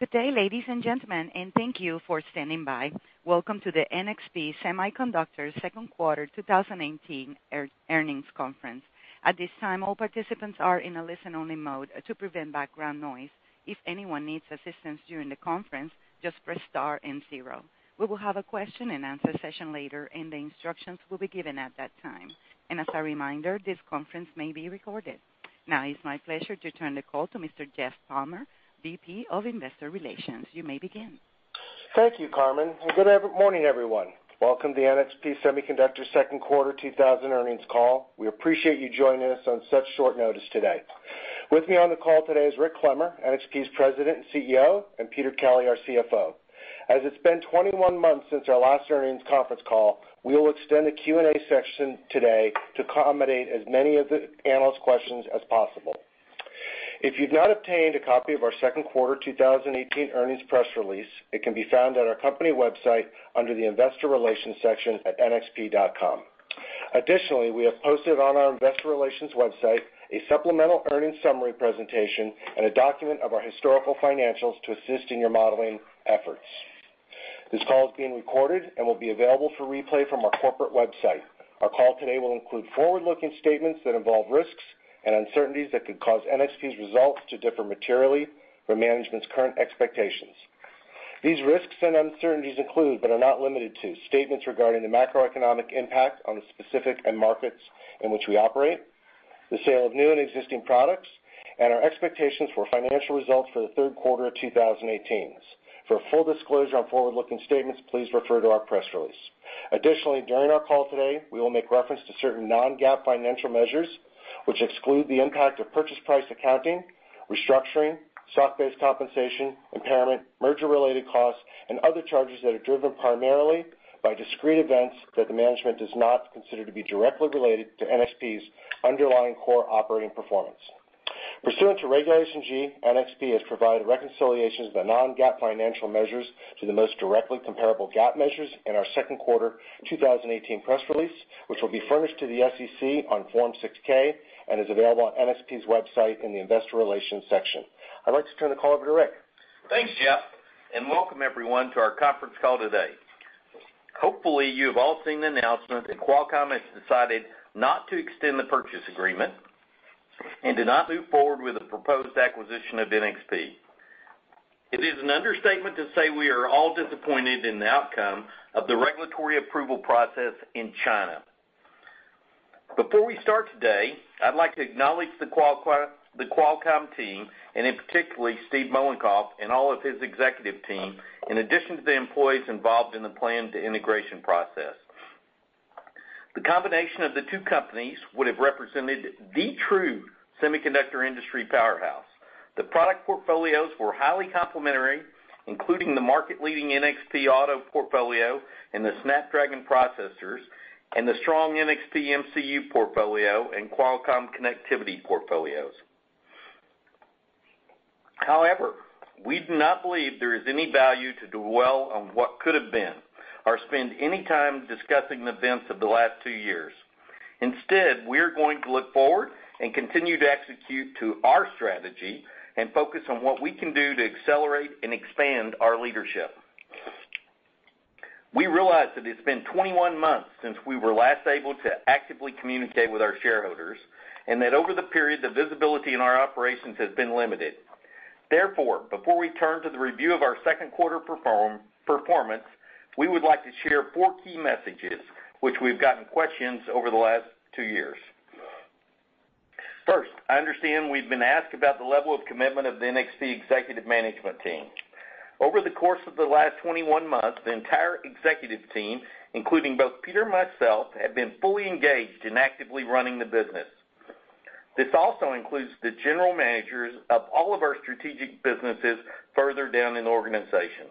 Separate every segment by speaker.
Speaker 1: Good day, ladies and gentlemen, and thank you for standing by. Welcome to the NXP Semiconductors Second Quarter 2018 Earnings Conference. At this time, all participants are in a listen-only mode to prevent background noise. If anyone needs assistance during the conference, just press star and zero. We will have a question-and-answer session later, and the instructions will be given at that time. As a reminder, this conference may be recorded. Now it's my pleasure to turn the call to Mr. Jeff Palmer, VP of Investor Relations. You may begin.
Speaker 2: Thank you, Carmen, and good morning, everyone. Welcome to NXP Semiconductors Second Quarter 2018 Earnings Call. We appreciate you joining us on such short notice today. With me on the call today is Rick Clemmer, NXP's President and CEO, and Peter Kelly, our CFO. As it's been 21 months since our last earnings conference call, we will extend the Q&A section today to accommodate as many of the analysts' questions as possible. If you've not obtained a copy of our second quarter 2018 earnings press release, it can be found at our company website under the investor relations section at nxp.com. Additionally, we have posted on our investor relations website a supplemental earnings summary presentation and a document of our historical financials to assist in your modeling efforts. This call is being recorded and will be available for replay from our corporate website. Our call today will include forward-looking statements that involve risks and uncertainties that could cause NXP's results to differ materially from management's current expectations. These risks and uncertainties include, but are not limited to, statements regarding the macroeconomic impact on the specific end markets in which we operate, the sale of new and existing products, and our expectations for financial results for the third quarter of 2018. For a full disclosure on forward-looking statements, please refer to our press release. Additionally, during our call today, we will make reference to certain non-GAAP financial measures, which exclude the impact of purchase price accounting, restructuring, stock-based compensation, impairment, merger-related costs, and other charges that are driven primarily by discrete events that the management does not consider to be directly related to NXP's underlying core operating performance. Pursuant to Regulation G, NXP has provided reconciliations of the non-GAAP financial measures to the most directly comparable GAAP measures in our second quarter 2018 press release, which will be furnished to the SEC on Form 6-K and is available on NXP's website in the investor relations section. I'd like to turn the call over to Rick.
Speaker 3: Thanks, Jeff, welcome everyone to our conference call today. Hopefully, you have all seen the announcement that Qualcomm has decided not to extend the purchase agreement and to not move forward with the proposed acquisition of NXP. It is an understatement to say we are all disappointed in the outcome of the regulatory approval process in China. Before we start today, I'd like to acknowledge the Qualcomm team, and in particular, Steve Mollenkopf and all of his executive team, in addition to the employees involved in the plan to integration process. The combination of the two companies would have represented the true semiconductor industry powerhouse. The product portfolios were highly complementary, including the market-leading NXP auto portfolio and the Snapdragon processors, and the strong NXP MCU portfolio and Qualcomm connectivity portfolios. We do not believe there is any value to dwell on what could have been or spend any time discussing the events of the last two years. We are going to look forward and continue to execute to our strategy and focus on what we can do to accelerate and expand our leadership. We realize that it's been 21 months since we were last able to actively communicate with our shareholders, that over the period, the visibility in our operations has been limited. Before we turn to the review of our second quarter performance, we would like to share four key messages, which we've gotten questions over the last two years. First, I understand we've been asked about the level of commitment of the NXP executive management team. Over the course of the last 21 months, the entire executive team, including both Peter and myself, have been fully engaged in actively running the business. This also includes the general managers of all of our strategic businesses further down in the organization.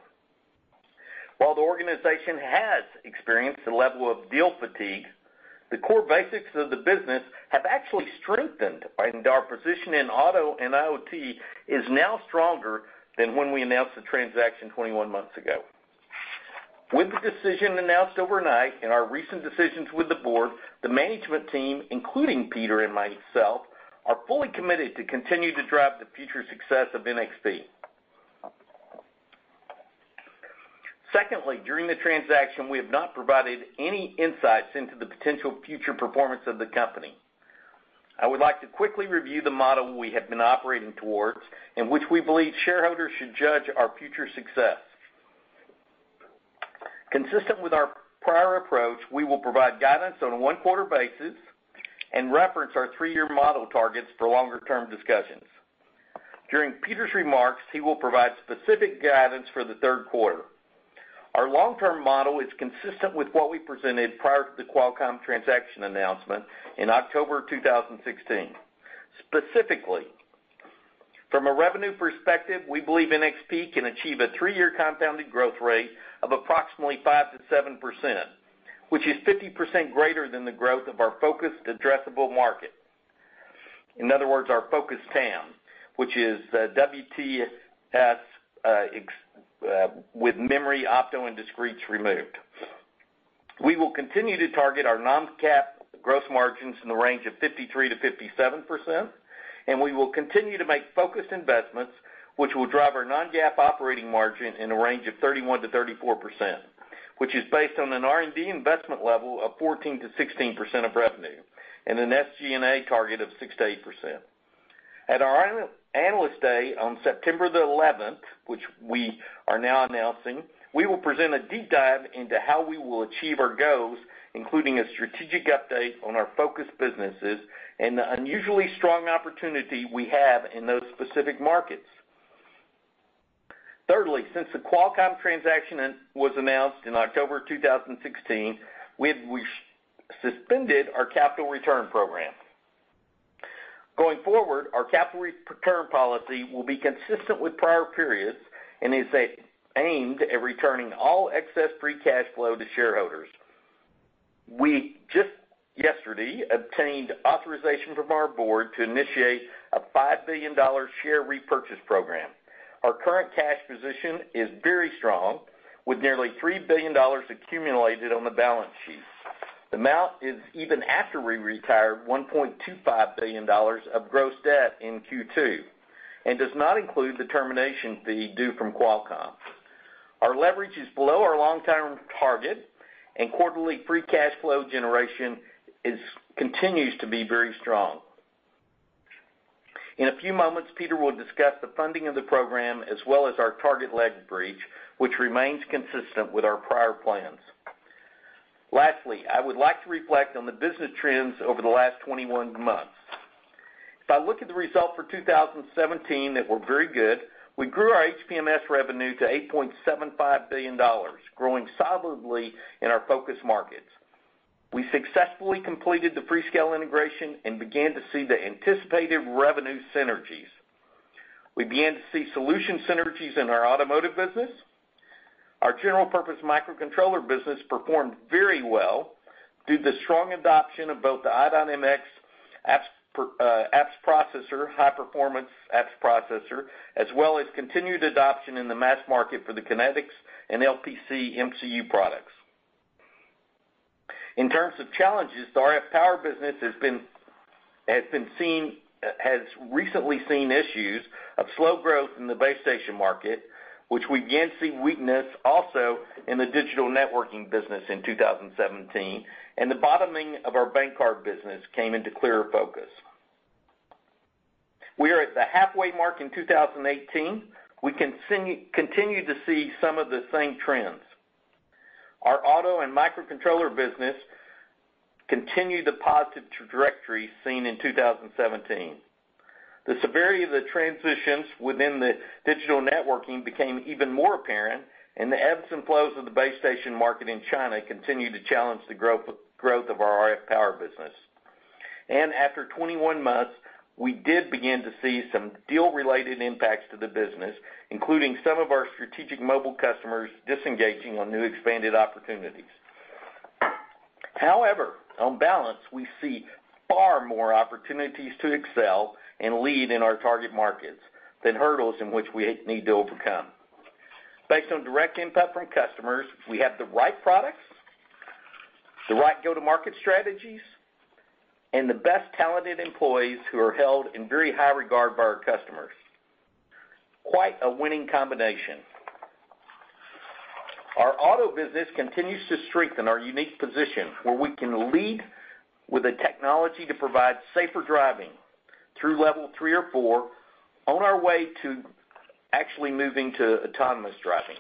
Speaker 3: While the organization has experienced a level of deal fatigue, our position in auto and IoT is now stronger than when we announced the transaction 21 months ago. With the decision announced overnight and our recent decisions with the board, the management team, including Peter and myself, are fully committed to continue to drive the future success of NXP. During the transaction, we have not provided any insights into the potential future performance of the company. I would like to quickly review the model we have been operating towards in which we believe shareholders should judge our future success. Consistent with our prior approach, we will provide guidance on a one-quarter basis and reference our three-year model targets for longer-term discussions. During Peter's remarks, he will provide specific guidance for the third quarter. Our long-term model is consistent with what we presented prior to the Qualcomm transaction announcement in October of 2016. From a revenue perspective, we believe NXP can achieve a three-year compounded growth rate of approximately 5%-7%, which is 50% greater than the growth of our focused addressable market. Our focused TAM, which is WTS with memory, opto, and discretes removed. We will continue to target our non-GAAP gross margins in the range of 53%-57%, and we will continue to make focused investments, which will drive our non-GAAP operating margin in a range of 31%-34%, which is based on an R&D investment level of 14%-16% of revenue, and an SG&A target of 6%-8%. At our Analyst Day on September the 11th, which we are now announcing, we will present a deep dive into how we will achieve our goals, including a strategic update on our focus businesses and the unusually strong opportunity we have in those specific markets. Since the Qualcomm transaction was announced in October 2016, we've suspended our capital return program. Our capital return policy will be consistent with prior periods and is aimed at returning all excess free cash flow to shareholders. We just yesterday obtained authorization from our board to initiate a $5 billion share repurchase program. Our current cash position is very strong, with nearly $3 billion accumulated on the balance sheet. The amount is even after we retired $1.25 billion of gross debt in Q2, and does not include the termination fee due from Qualcomm. Our leverage is below our long-term target, and quarterly free cash flow generation continues to be very strong. In a few moments, Peter will discuss the funding of the program as well as our target leverage breach, which remains consistent with our prior plans. I would like to reflect on the business trends over the last 21 months. If I look at the results for 2017 that were very good, we grew our HPMS revenue to $8.75 billion, growing solidly in our focus markets. We successfully completed the Freescale integration and began to see the anticipated revenue synergies. We began to see solution synergies in our automotive business. Our general-purpose microcontroller business performed very well due to the strong adoption of both the i.MX apps processor, high-performance apps processor, as well as continued adoption in the mass market for the Kinetis and LPC MCU products. In terms of challenges, the RF power business has recently seen issues of slow growth in the base station market, which we began to see weakness also in the digital networking business in 2017, and the bottoming of our bank card business came into clearer focus. We are at the halfway mark in 2018. We continue to see some of the same trends. Our auto and microcontroller business continue the positive trajectory seen in 2017. The severity of the transitions within the digital networking became even more apparent, the ebbs and flows of the base station market in China continued to challenge the growth of our RF power business. After 21 months, we did begin to see some deal-related impacts to the business, including some of our strategic mobile customers disengaging on new expanded opportunities. On balance, we see far more opportunities to excel and lead in our target markets than hurdles in which we need to overcome. Based on direct input from customers, we have the right products, the right go-to-market strategies, and the best talented employees who are held in very high regard by our customers. Quite a winning combination. Our auto business continues to strengthen our unique position where we can lead with the technology to provide safer driving through level 3 or 4 on our way to actually moving to autonomous driving.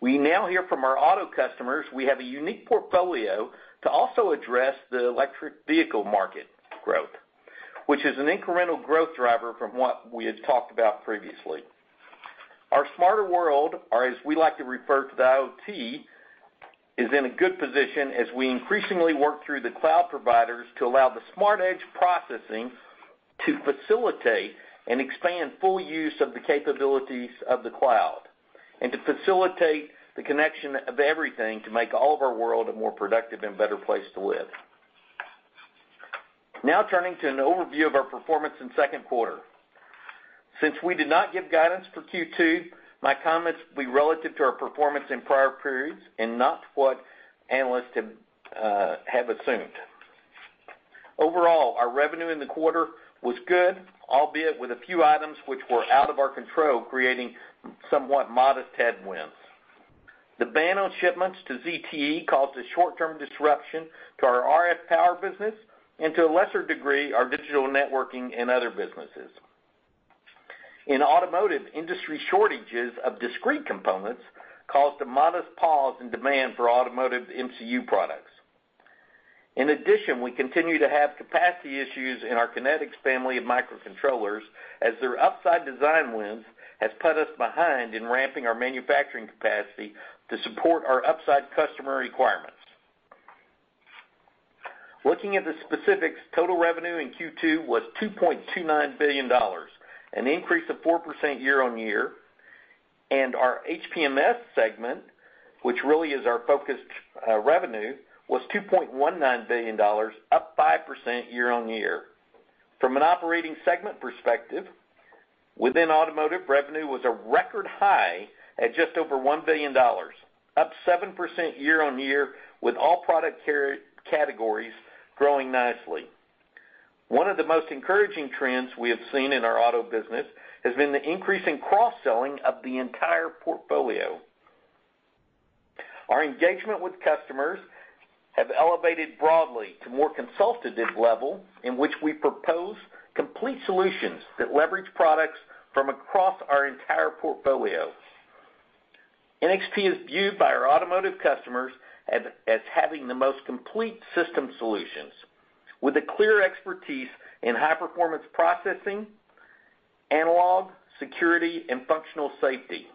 Speaker 3: We now hear from our auto customers we have a unique portfolio to also address the electric vehicle market growth, which is an incremental growth driver from what we had talked about previously. Our smarter world, or as we like to refer to the IoT, is in a good position as we increasingly work through the cloud providers to allow the smart edge processing to facilitate and expand full use of the capabilities of the cloud, and to facilitate the connection of everything to make all of our world a more productive and better place to live. Now turning to an overview of our performance in second quarter. Since we did not give guidance for Q2, my comments will be relative to our performance in prior periods and not what analysts have assumed. Overall, our revenue in the quarter was good, albeit with a few items which were out of our control, creating somewhat modest headwinds. The ban on shipments to ZTE caused a short-term disruption to our RF power business and to a lesser degree, our digital networking and other businesses. In automotive, industry shortages of discrete components caused a modest pause in demand for automotive MCU products. In addition, we continue to have capacity issues in our Kinetis family of microcontrollers, as their upside design wins has put us behind in ramping our manufacturing capacity to support our upside customer requirements. Looking at the specifics, total revenue in Q2 was $2.29 billion, an increase of 4% year-on-year. Our HPMS segment, which really is our focused revenue, was $2.19 billion, up 5% year-on-year. From an operating segment perspective. Within automotive, revenue was a record high at just over $1 billion, up 7% year-on-year, with all product categories growing nicely. One of the most encouraging trends we have seen in our auto business has been the increasing cross-selling of the entire portfolio. Our engagement with customers have elevated broadly to more consultative level, in which we propose complete solutions that leverage products from across our entire portfolio. NXP is viewed by our automotive customers as having the most complete system solutions, with a clear expertise in high-performance processing, analog, security, and functional safety.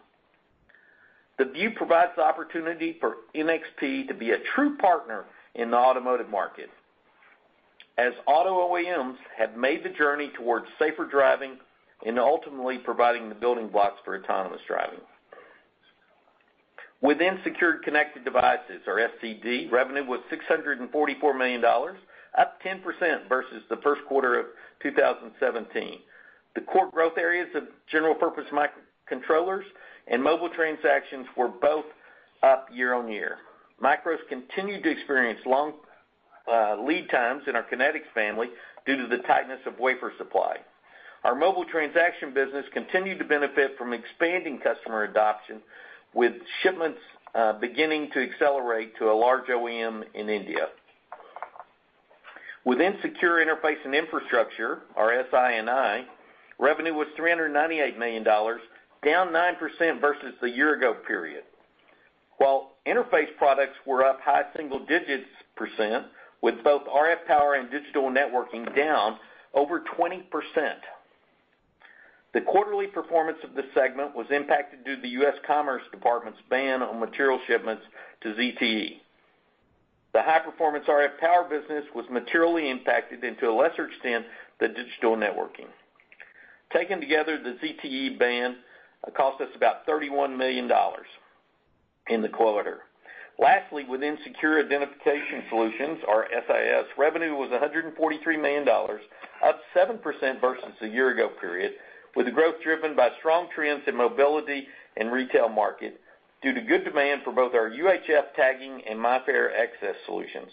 Speaker 3: The view provides the opportunity for NXP to be a true partner in the automotive market, as auto OEMs have made the journey towards safer driving and ultimately providing the building blocks for autonomous driving. Within Secure Connected Devices, or SCD, revenue was $644 million, up 10% versus the first quarter of 2017. The core growth areas of general purpose microcontrollers and mobile transactions were both up year-on-year. Micros continued to experience long lead times in our Kinetis family due to the tightness of wafer supply. Our mobile transaction business continued to benefit from expanding customer adoption, with shipments beginning to accelerate to a large OEM in India. Within secure interface and infrastructure, our SI&I, revenue was $398 million, down 9% versus the year-ago period. Interface products were up high single digits%, with both RF power and digital networking down over 20%. The quarterly performance of this segment was impacted due to the U.S. Department of Commerce's ban on material shipments to ZTE. The high-performance RF power business was materially impacted and to a lesser extent, the digital networking. Taken together, the ZTE ban cost us about $31 million in the quarter. Lastly, within Secure Identification Solutions, our SIS, revenue was $143 million, up 7% versus the year ago period, with the growth driven by strong trends in mobility and retail market, due to good demand for both our UHF tagging and MIFARE access solutions.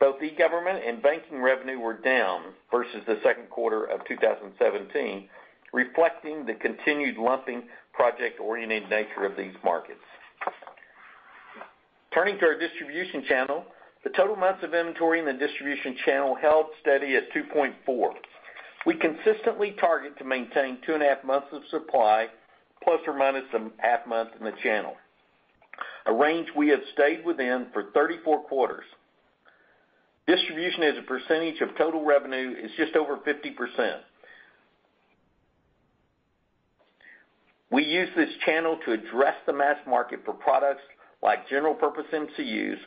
Speaker 3: Both e-government and banking revenue were down versus the second quarter of 2017, reflecting the continued lumpy project-oriented nature of these markets. Turning to our distribution channel, the total months of inventory in the distribution channel held steady at 2.4. We consistently target to maintain 2.5 months of supply, ± a half month in the channel, a range we have stayed within for 34 quarters. Distribution as a percentage of total revenue is just over 50%. We use this channel to address the mass market for products like general purpose MCUs,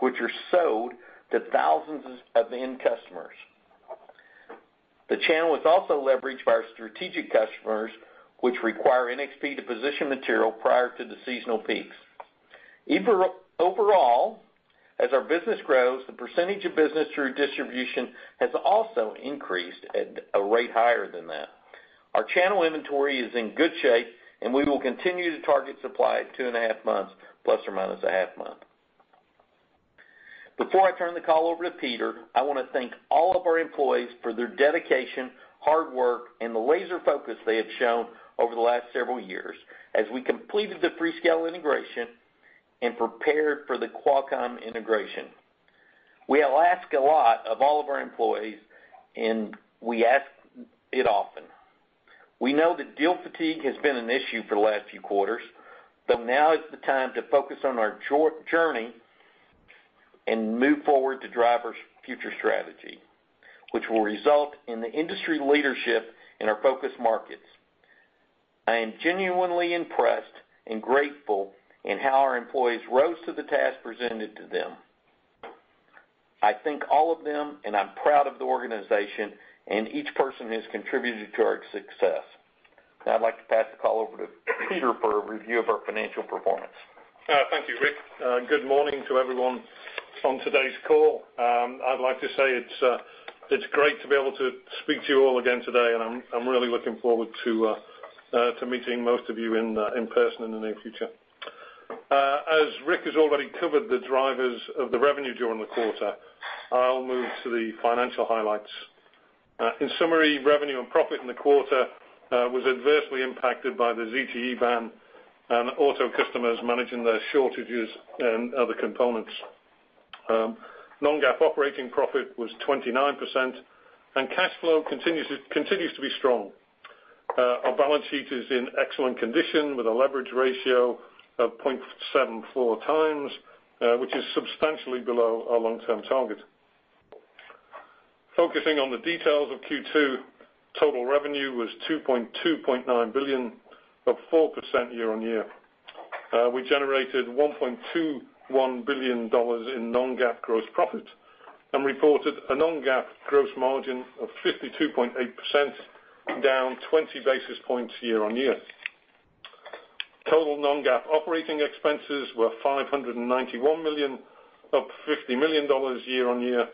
Speaker 3: which are sold to thousands of end customers. The channel is also leveraged by our strategic customers, which require NXP to position material prior to the seasonal peaks. Overall, as our business grows, the percentage of business through distribution has also increased at a rate higher than that. Our channel inventory is in good shape, and we will continue to target supply at 2.5 months, ± a half month. Before I turn the call over to Peter, I want to thank all of our employees for their dedication, hard work, and the laser focus they have shown over the last several years as we completed the Freescale integration and prepared for the Qualcomm integration. We ask a lot of all of our employees, and we ask it often. We know that deal fatigue has been an issue for the last few quarters, but now is the time to focus on our journey and move forward to drive our future strategy, which will result in the industry leadership in our focus markets. I am genuinely impressed and grateful in how our employees rose to the task presented to them. I thank all of them, and I'm proud of the organization and each person who has contributed to our success. Now I'd like to pass the call over to Peter for a review of our financial performance.
Speaker 4: Thank you, Rick. Good morning to everyone on today's call. I'd like to say it's great to be able to speak to you all again today, and I'm really looking forward to meeting most of you in person in the near future. As Rick has already covered the drivers of the revenue during the quarter, I'll move to the financial highlights. In summary, revenue and profit in the quarter was adversely impacted by the ZTE ban and auto customers managing their shortages and other components. Non-GAAP operating profit was 29%, and cash flow continues to be strong. Our balance sheet is in excellent condition, with a leverage ratio of 0.74 times, which is substantially below our long-term target. Focusing on the details of Q2, total revenue was $2.29 billion, up 4% year-on-year. We generated $1.21 billion in non-GAAP gross profit and reported a non-GAAP gross margin of 52.8%, down 20 basis points year-on-year. Total non-GAAP operating expenses were $591 million, up $50 million year-on-year,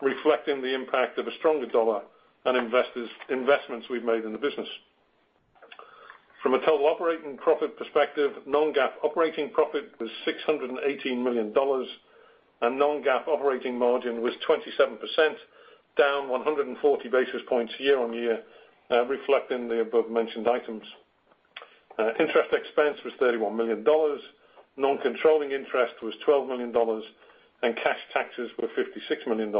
Speaker 4: reflecting the impact of a stronger dollar and investments we've made in the business. From a total operating profit perspective, non-GAAP operating profit was $618 million and non-GAAP operating margin was 27%, down 140 basis points year-on-year, reflecting the above-mentioned items. Interest expense was $31 million, non-controlling interest was $12 million, and cash taxes were $56 million.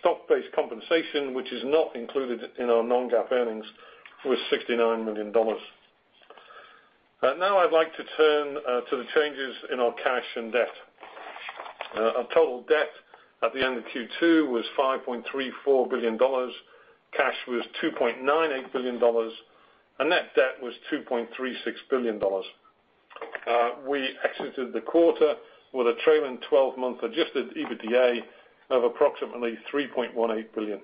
Speaker 4: Stock-based compensation, which is not included in our non-GAAP earnings, was $69 million. Now I'd like to turn to the changes in our cash and debt. Our total debt at the end of Q2 was $5.34 billion. Cash was $2.98 billion, and net debt was $2.36 billion. We exited the quarter with a trailing 12-month adjusted EBITDA of approximately $3.18 billion.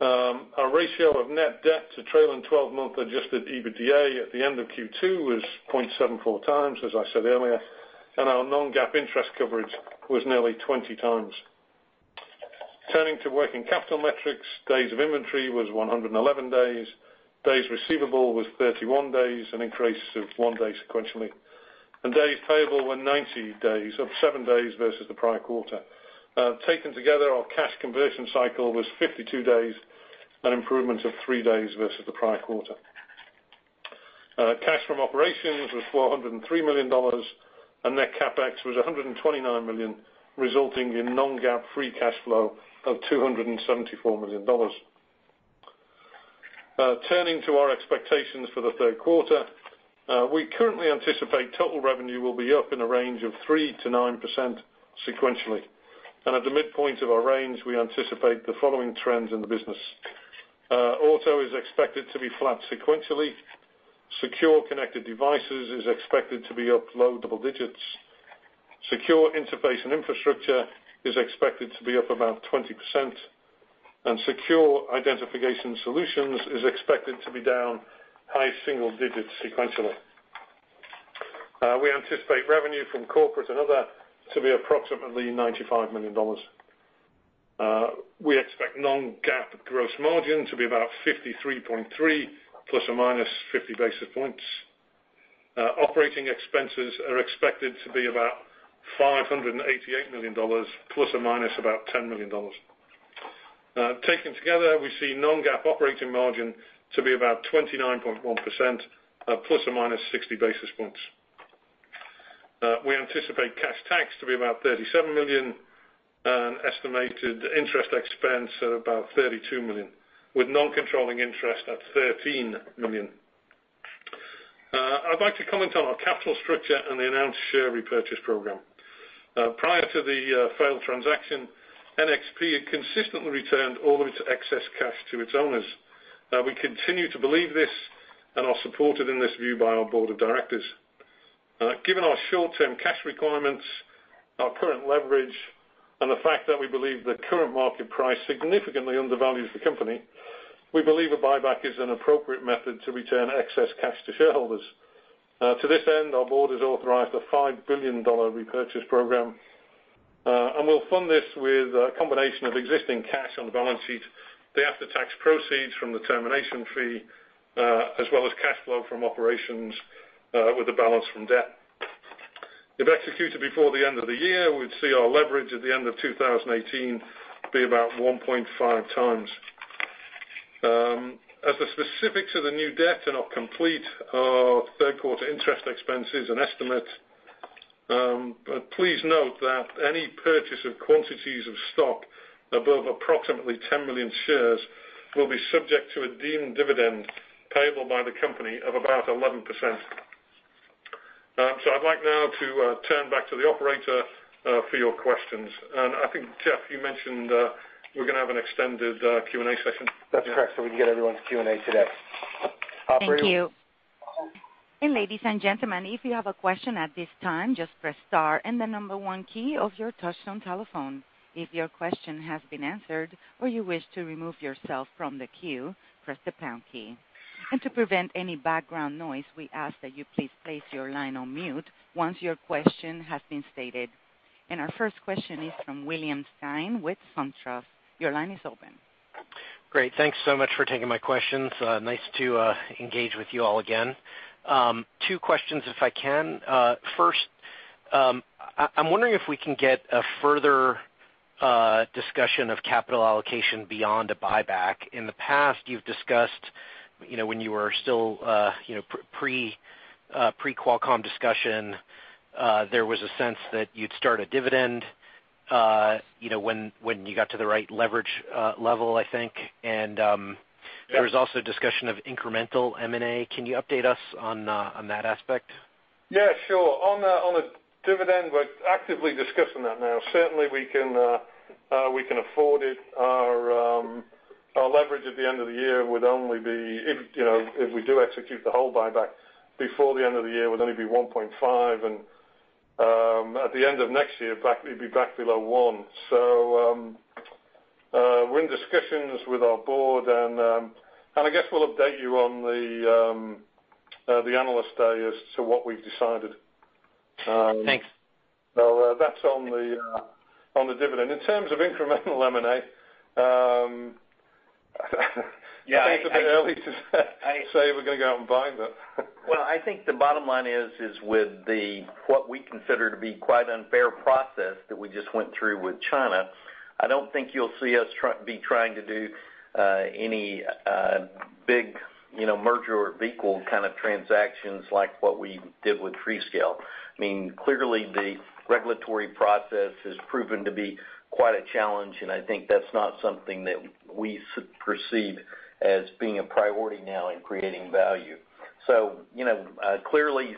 Speaker 4: Our ratio of net debt to trailing 12-month adjusted EBITDA at the end of Q2 was 0.74 times, as I said earlier, and our non-GAAP interest coverage was nearly 20 times. Turning to working capital metrics, days of inventory was 111 days. Days receivable was 31 days, an increase of one day sequentially. Days payable were 90 days, up seven days versus the prior quarter. Taken together, our cash conversion cycle was 52 days, an improvement of three days versus the prior quarter. Cash from operations was $403 million, and net CapEx was $129 million, resulting in non-GAAP free cash flow of $274 million. Turning to our expectations for the third quarter, we currently anticipate total revenue will be up in a range of 3%-9% sequentially. At the midpoint of our range, we anticipate the following trends in the business. Auto is expected to be flat sequentially. Secure Connected Devices is expected to be up low double digits. Secure Interface and Infrastructure is expected to be up about 20%, and Secure Identification Solutions is expected to be down high single digits sequentially. We anticipate revenue from corporate and other to be approximately $95 million. We expect non-GAAP gross margin to be about 53.3% ± 50 basis points. Operating expenses are expected to be about $588 million ± $10 million. Taken together, we see non-GAAP operating margin to be about 29.1% ± 60 basis points. We anticipate cash tax to be about $37 million and an estimated interest expense of about $32 million, with non-controlling interest at $13 million. I'd like to comment on our capital structure and the announced share repurchase program. Prior to the failed transaction, NXP had consistently returned all of its excess cash to its owners. We continue to believe this and are supported in this view by our board of directors. Given our short-term cash requirements, our current leverage, and the fact that we believe the current market price significantly undervalues the company, we believe a buyback is an appropriate method to return excess cash to shareholders. To this end, our board has authorized a $5 billion repurchase program, and we'll fund this with a combination of existing cash on the balance sheet, the after-tax proceeds from the termination fee, as well as cash flow from operations with the balance from debt. If executed before the end of the year, we'd see our leverage at the end of 2018 be about 1.5 times. As the specifics of the new debt are not complete, our third quarter interest expense is an estimate. Please note that any purchase of quantities of stock above approximately 10 million shares will be subject to a deemed dividend payable by the company of about 11%. I'd like now to turn back to the operator for your questions. I think, Jeff, you mentioned we're going to have an extended Q&A session?
Speaker 2: That's correct, we can get everyone's Q&A today. Operator?
Speaker 1: Thank you. Ladies and gentlemen, if you have a question at this time, just press star and the number 1 key of your touchtone telephone. If your question has been answered or you wish to remove yourself from the queue, press the pound key. To prevent any background noise, we ask that you please place your line on mute once your question has been stated. Our first question is from William Stein with SunTrust. Your line is open.
Speaker 5: Great. Thanks so much for taking my questions. Nice to engage with you all again. Two questions, if I can. First, I'm wondering if we can get a further discussion of capital allocation beyond a buyback. In the past, you've discussed when you were still pre-Qualcomm discussion, there was a sense that you'd start a dividend when you got to the right leverage level, I think. There was also discussion of incremental M&A. Can you update us on that aspect?
Speaker 4: Yeah, sure. On the dividend, we're actively discussing that now. Certainly, we can afford it. Our leverage at the end of the year would only be, if we do execute the whole buyback before the end of the year, would only be 1.5. At the end of next year, it'd be back below one. We're in discussions with our board. I guess we'll update you on the Analyst Day as to what we've decided.
Speaker 5: Thanks.
Speaker 4: That's on the dividend. In terms of incremental M&A, it's a bit early to say we're going to go out and buy.
Speaker 3: I think the bottom line is with what we consider to be quite an unfair process that we just went through with China, I don't think you'll see us be trying to do any big merger of equal kind of transactions like what we did with Freescale. Clearly, the regulatory process has proven to be quite a challenge. I think that's not something that we perceive as being a priority now in creating value. Clearly,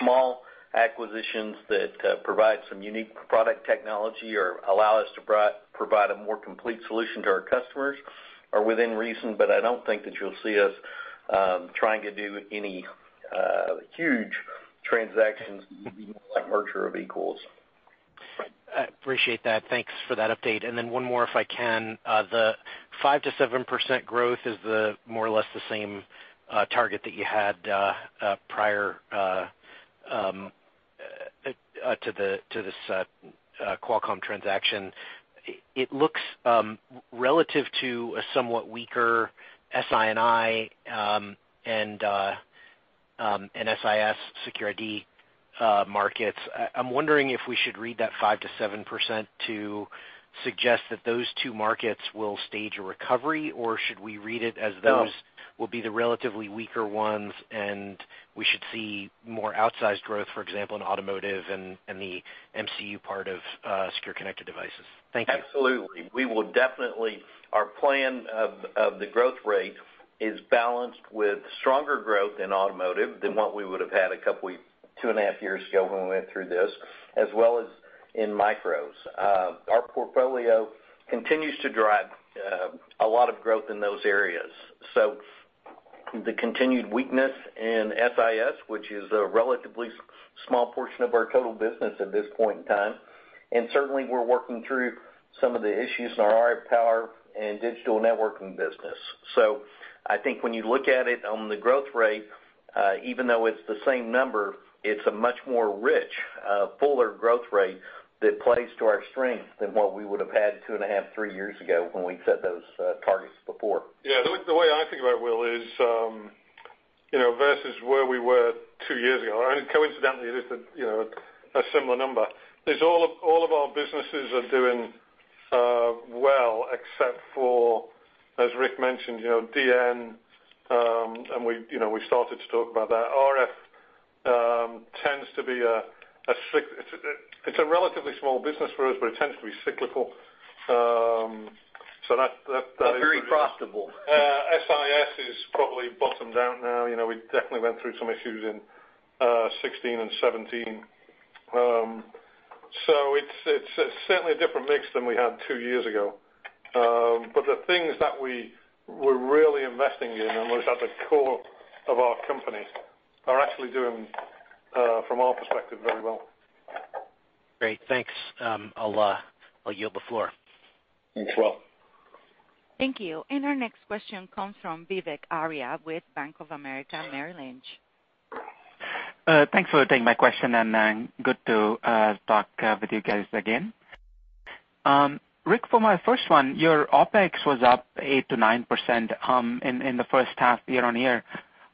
Speaker 3: small acquisitions that provide some unique product technology or allow us to provide a more complete solution to our customers are within reason, but I don't think that you'll see us trying to do any huge transactions like merger of equals.
Speaker 5: I appreciate that. Thanks for that update. One more, if I can. The 5%-7% growth is more or less the same target that you had prior to this Qualcomm transaction. It looks relative to a somewhat weaker SI&I and SIS security markets. I am wondering if we should read that 5%-7% to suggest that those two markets will stage a recovery, or should we read it as those will be the relatively weaker ones, and we should see more outsized growth, for example, in automotive and the MCU part of secure connected devices? Thank you.
Speaker 3: Absolutely. Our plan of the growth rate is balanced with stronger growth in automotive than what we would have had two and a half years ago when we went through this, as well as in micros. Our portfolio continues to drive a lot of growth in those areas. The continued weakness in SIS, which is a relatively small portion of our total business at this point in time, and certainly we are working through some of the issues in our power and digital networking business. I think when you look at it on the growth rate, even though it is the same number, it is a much more rich, fuller growth rate that plays to our strength than what we would have had two and a half, three years ago when we set those targets before.
Speaker 4: The way I think about it, Will, is versus where we were two years ago, and coincidentally, it is a similar number, all of our businesses are doing well except for, as Rick mentioned, DN, and we started to talk about that. RF, it is a relatively small business for us, but it tends to be cyclical.
Speaker 3: Very profitable.
Speaker 4: SIS has probably bottomed down now. We definitely went through some issues in 2016 and 2017. It's certainly a different mix than we had two years ago. The things that we're really investing in and was at the core of our company are actually doing, from our perspective, very well.
Speaker 5: Great. Thanks. I'll yield the floor.
Speaker 4: Thanks, Will.
Speaker 1: Thank you. Our next question comes from Vivek Arya with Bank of America Merrill Lynch.
Speaker 6: Thanks for taking my question. Good to talk with you guys again. Rick, for my first one, your OpEx was up 8%-9% in the first half year-over-year.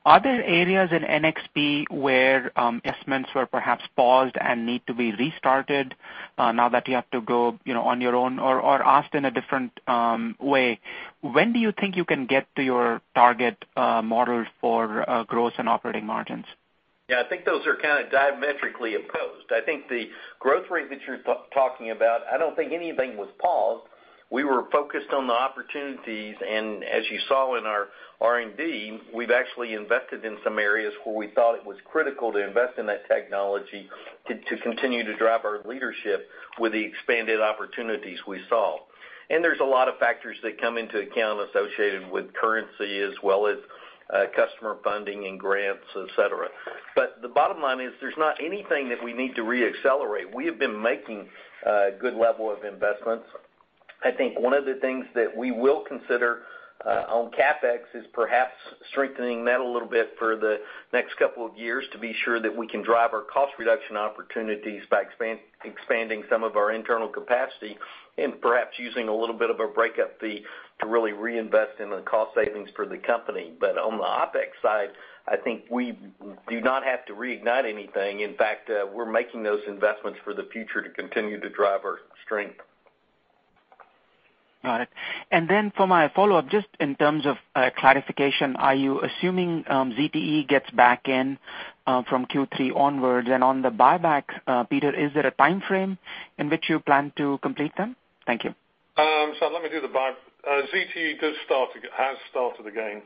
Speaker 6: Are there areas in NXP where estimates were perhaps paused and need to be restarted now that you have to go on your own? Or asked in a different way, when do you think you can get to your target model for growth and operating margins?
Speaker 3: I think those are kind of diametrically opposed. I think the growth rate that you're talking about, I don't think anything was paused. We were focused on the opportunities, and as you saw in our R&D, we've actually invested in some areas where we thought it was critical to invest in that technology to continue to drive our leadership with the expanded opportunities we saw. There's a lot of factors that come into account associated with currency as well as customer funding and grants, et cetera. The bottom line is there's not anything that we need to re-accelerate. We have been making a good level of investments. I think one of the things that we will consider on CapEx is perhaps strengthening that a little bit for the next couple of years to be sure that we can drive our cost reduction opportunities by expanding some of our internal capacity and perhaps using a little bit of a breakup fee to really reinvest in the cost savings for the company. On the OpEx side, I think we do not have to reignite anything. In fact, we're making those investments for the future to continue to drive our strength.
Speaker 6: Got it. Then for my follow-up, just in terms of clarification, are you assuming ZTE gets back in from Q3 onwards? On the buyback, Peter, is there a timeframe in which you plan to complete them? Thank you.
Speaker 4: Let me do the buy. ZTE has started again.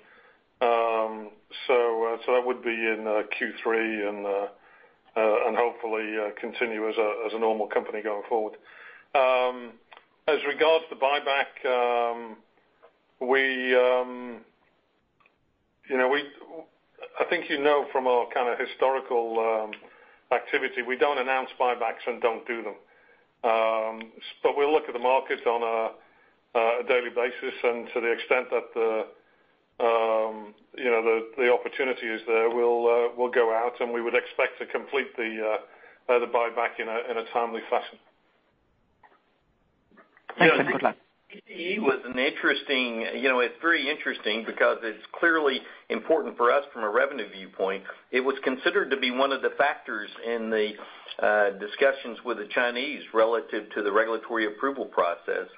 Speaker 4: That would be in Q3 and hopefully continue as a normal company going forward. As regards to buyback I think you know from our historical activity, we don't announce buybacks and don't do them. We'll look at the market on a daily basis, and to the extent that the opportunity is there, we'll go out, and we would expect to complete the buyback in a timely fashion.
Speaker 6: Thanks. Good luck.
Speaker 3: ZTE was very interesting because it's clearly important for us from a revenue viewpoint. It was considered to be one of the factors in the discussions with the Chinese relative to the regulatory approval process.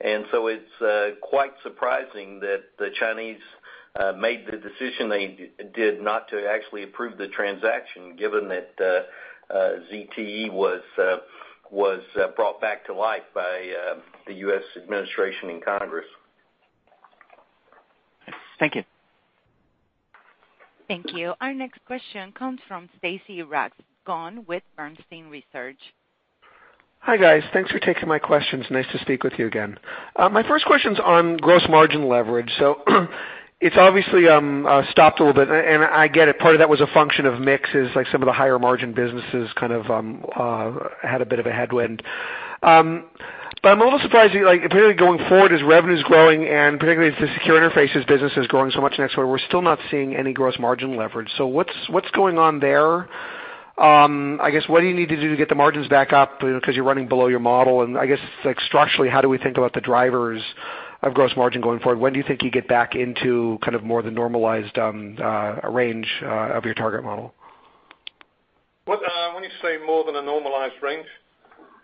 Speaker 3: It's quite surprising that the Chinese made the decision they did not to actually approve the transaction, given that ZTE was brought back to life by the U.S. administration and Congress.
Speaker 6: Thank you.
Speaker 1: Thank you. Our next question comes from Stacy Rasgon with Bernstein Research.
Speaker 7: Hi, guys. Thanks for taking my questions. Nice to speak with you again. My first question's on gross margin leverage. It's obviously stopped a little bit, and I get it. Part of that was a function of mixes, like some of the higher margin businesses had a bit of a headwind. I'm a little surprised, apparently going forward as revenue's growing and particularly as the Secure Interfaces business is growing so much next quarter, we're still not seeing any gross margin leverage. What's going on there? I guess, what do you need to do to get the margins back up because you're running below your model, and I guess, structurally, how do we think about the drivers of gross margin going forward? When do you think you get back into more the normalized range of your target model?
Speaker 4: What do you say more than a normalized range?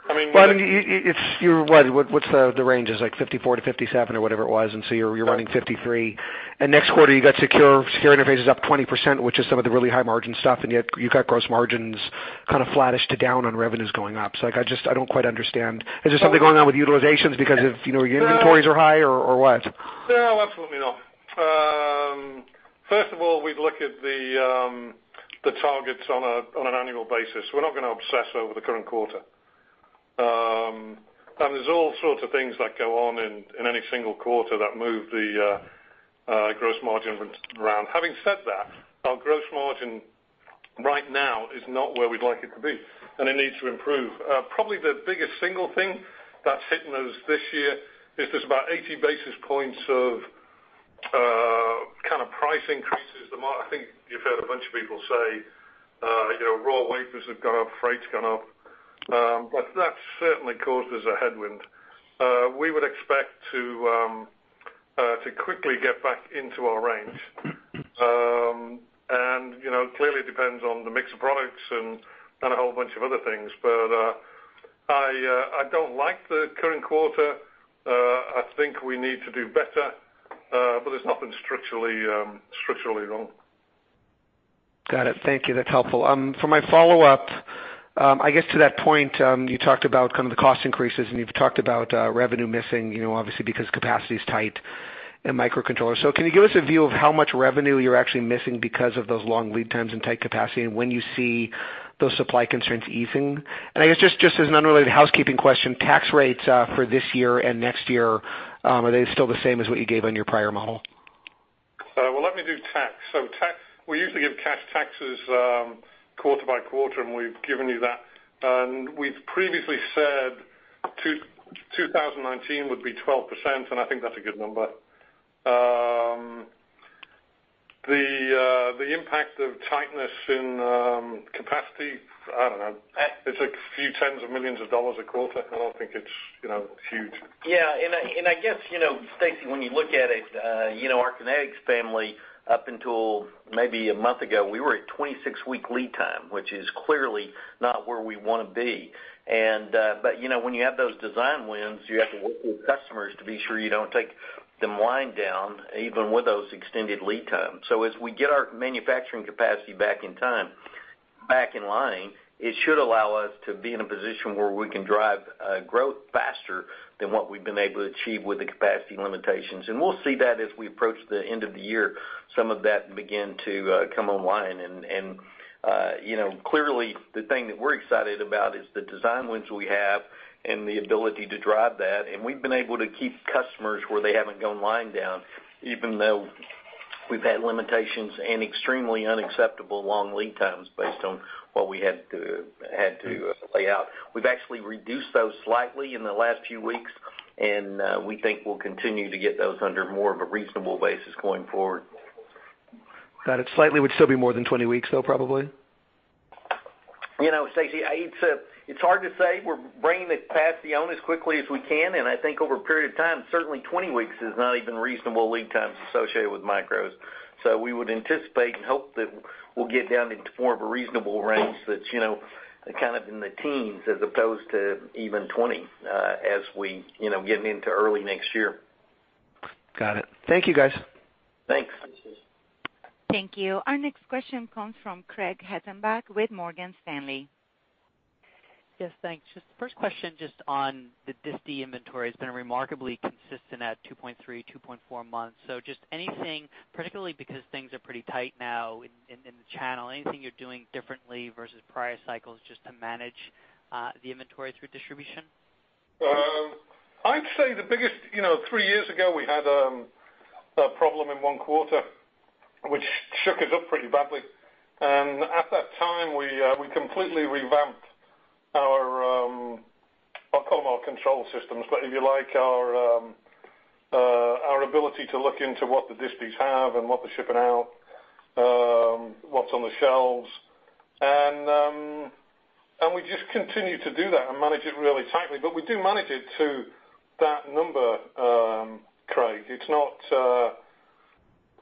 Speaker 7: Well, what's the ranges, like 54%-57% or whatever it was, you're running 53%. Next quarter, you got Secure Interfaces up 20%, which is some of the really high margin stuff, you've got gross margins flattish to down on revenues going up. I don't quite understand. Is there something going on with utilizations because your inventories are high or what?
Speaker 4: No, absolutely not. First of all, we'd look at the targets on an annual basis. We're not going to obsess over the current quarter. There's all sorts of things that go on in any single quarter that move the gross margin around. Having said that, our gross margin right now is not where we'd like it to be, and it needs to improve. Probably the biggest single thing that's hitting us this year is there's about 80 basis points of price increases. I think you've heard a bunch of people say raw wafers have gone up, freight's gone up. That certainly causes a headwind. We would expect to quickly get back into our range. Clearly it depends on the mix of products and a whole bunch of other things. I don't like the current quarter. I think we need to do better. There's nothing structurally wrong.
Speaker 7: Got it. Thank you. That's helpful. For my follow-up, I guess to that point, you talked about the cost increases, you've talked about revenue missing, obviously because capacity's tight in microcontrollers. Can you give us a view of how much revenue you're actually missing because of those long lead times and tight capacity, and when you see those supply constraints easing? I guess just as an unrelated housekeeping question, tax rates for this year and next year, are they still the same as what you gave on your prior model?
Speaker 4: Well, let me do tax. Tax, we usually give cash taxes quarter by quarter, we've given you that. We've previously said 2019 would be 12%, and I think that's a good number. The impact of tightness in capacity, I don't know. It's a few tens of millions of dollars a quarter. I don't think it's huge.
Speaker 3: I guess, Stacy, when you look at it, our Kinetis family up until maybe a month ago, we were at 26-week lead time, which is clearly not where we want to be. When you have those design wins, you have to work with customers to be sure you don't take them line down, even with those extended lead times. As we get our manufacturing capacity back in time, back in line, it should allow us to be in a position where we can drive growth faster than what we've been able to achieve with the capacity limitations. We'll see that as we approach the end of the year, some of that begin to come online. Clearly, the thing that we're excited about is the design wins we have and the ability to drive that. We've been able to keep customers where they haven't gone line down, even though we've had limitations and extremely unacceptable long lead times based on what we had to lay out. We've actually reduced those slightly in the last few weeks, and we think we'll continue to get those under more of a reasonable basis going forward.
Speaker 7: Got it. Slightly would still be more than 20 weeks, though, probably?
Speaker 3: Stacy, it's hard to say. We're bringing the capacity on as quickly as we can, and I think over a period of time, certainly 20 weeks is not even reasonable lead times associated with micros. We would anticipate and hope that we'll get down into more of a reasonable range that's in the teens as opposed to even 20 as we get into early next year.
Speaker 7: Got it. Thank you, guys.
Speaker 3: Thanks.
Speaker 1: Thank you. Our next question comes from Craig Hettenbach with Morgan Stanley.
Speaker 8: Yes, thanks. Just the first question just on the disti inventory. It's been remarkably consistent at 2.3, 2.4 months. Just anything, particularly because things are pretty tight now in the channel, anything you're doing differently versus prior cycles just to manage the inventory through distribution?
Speaker 4: I'd say the biggest, three years ago, we had a problem in one quarter, which shook us up pretty badly. At that time, we completely revamped our Qualcomm R control systems. If you like, our ability to look into what the distis have and what they're shipping out, what's on the shelves. We just continue to do that and manage it really tightly. We do manage it to that number, Craig. It's not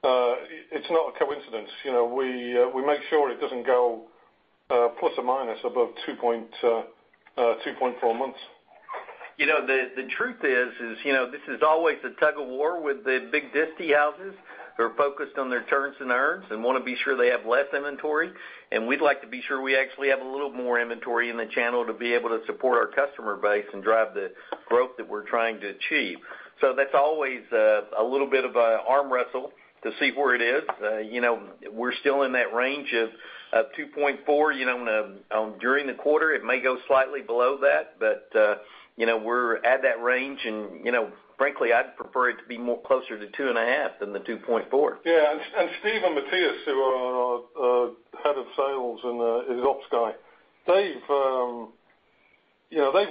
Speaker 4: a coincidence. We make sure it doesn't go plus or minus above 2.4 months.
Speaker 3: The truth is, this is always a tug of war with the big disti houses who are focused on their turns and earns and want to be sure they have less inventory. We'd like to be sure we actually have a little more inventory in the channel to be able to support our customer base and drive the growth that we're trying to achieve. That's always a little bit of an arm wrestle to see where it is. We're still in that range of 2.4. During the quarter, it may go slightly below that, but we're at that range, and frankly, I'd prefer it to be more closer to two and a half than the 2.4.
Speaker 4: Yeah. Steve and Matthias, who are our head of sales and his ops guy, they've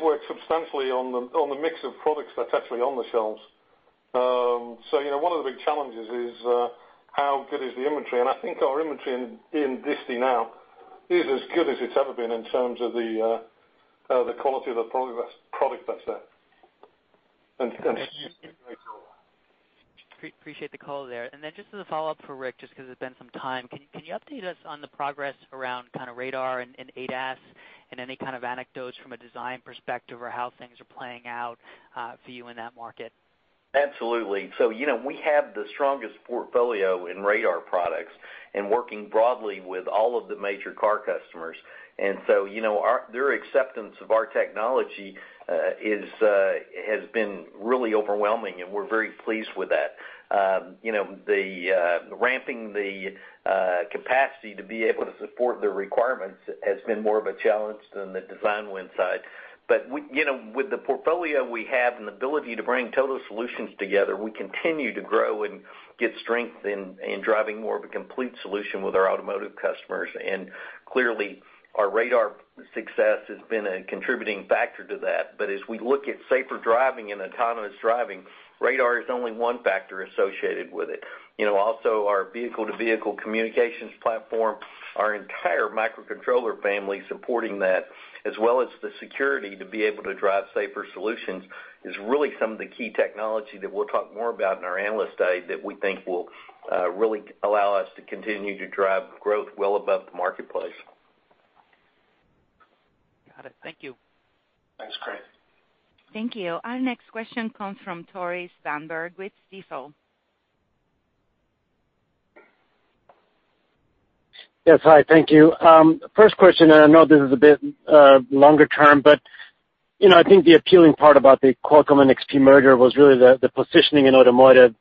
Speaker 4: worked substantially on the mix of products that's actually on the shelves. One of the big challenges is, how good is the inventory? I think our inventory in disti now is as good as it's ever been in terms of the quality of the product that's there.
Speaker 8: Appreciate the call there. Just as a follow-up for Rick, just because it's been some time, can you update us on the progress around kind of radar and ADAS and any kind of anecdotes from a design perspective or how things are playing out for you in that market?
Speaker 3: Absolutely. We have the strongest portfolio in radar products and working broadly with all of the major car customers. Their acceptance of our technology has been really overwhelming, and we're very pleased with that. Ramping the capacity to be able to support the requirements has been more of a challenge than the design win side. With the portfolio we have and the ability to bring total solutions together, we continue to grow and get strength in driving more of a complete solution with our automotive customers. Clearly, our radar success has been a contributing factor to that. As we look at safer driving and autonomous driving, radar is only one factor associated with it. Our vehicle-to-vehicle communications platform, our entire microcontroller family supporting that, as well as the security to be able to drive safer solutions is really some of the key technology that we'll talk more about in our Analyst Day that we think will really allow us to continue to drive growth well above the marketplace.
Speaker 8: Got it. Thank you.
Speaker 3: Thanks, Craig.
Speaker 1: Thank you. Our next question comes from Tore Svanberg with Stifel.
Speaker 9: Yes, hi. Thank you. First question. I know this is a bit longer term. I think the appealing part about the Qualcomm and NXP merger was really the positioning in automotive.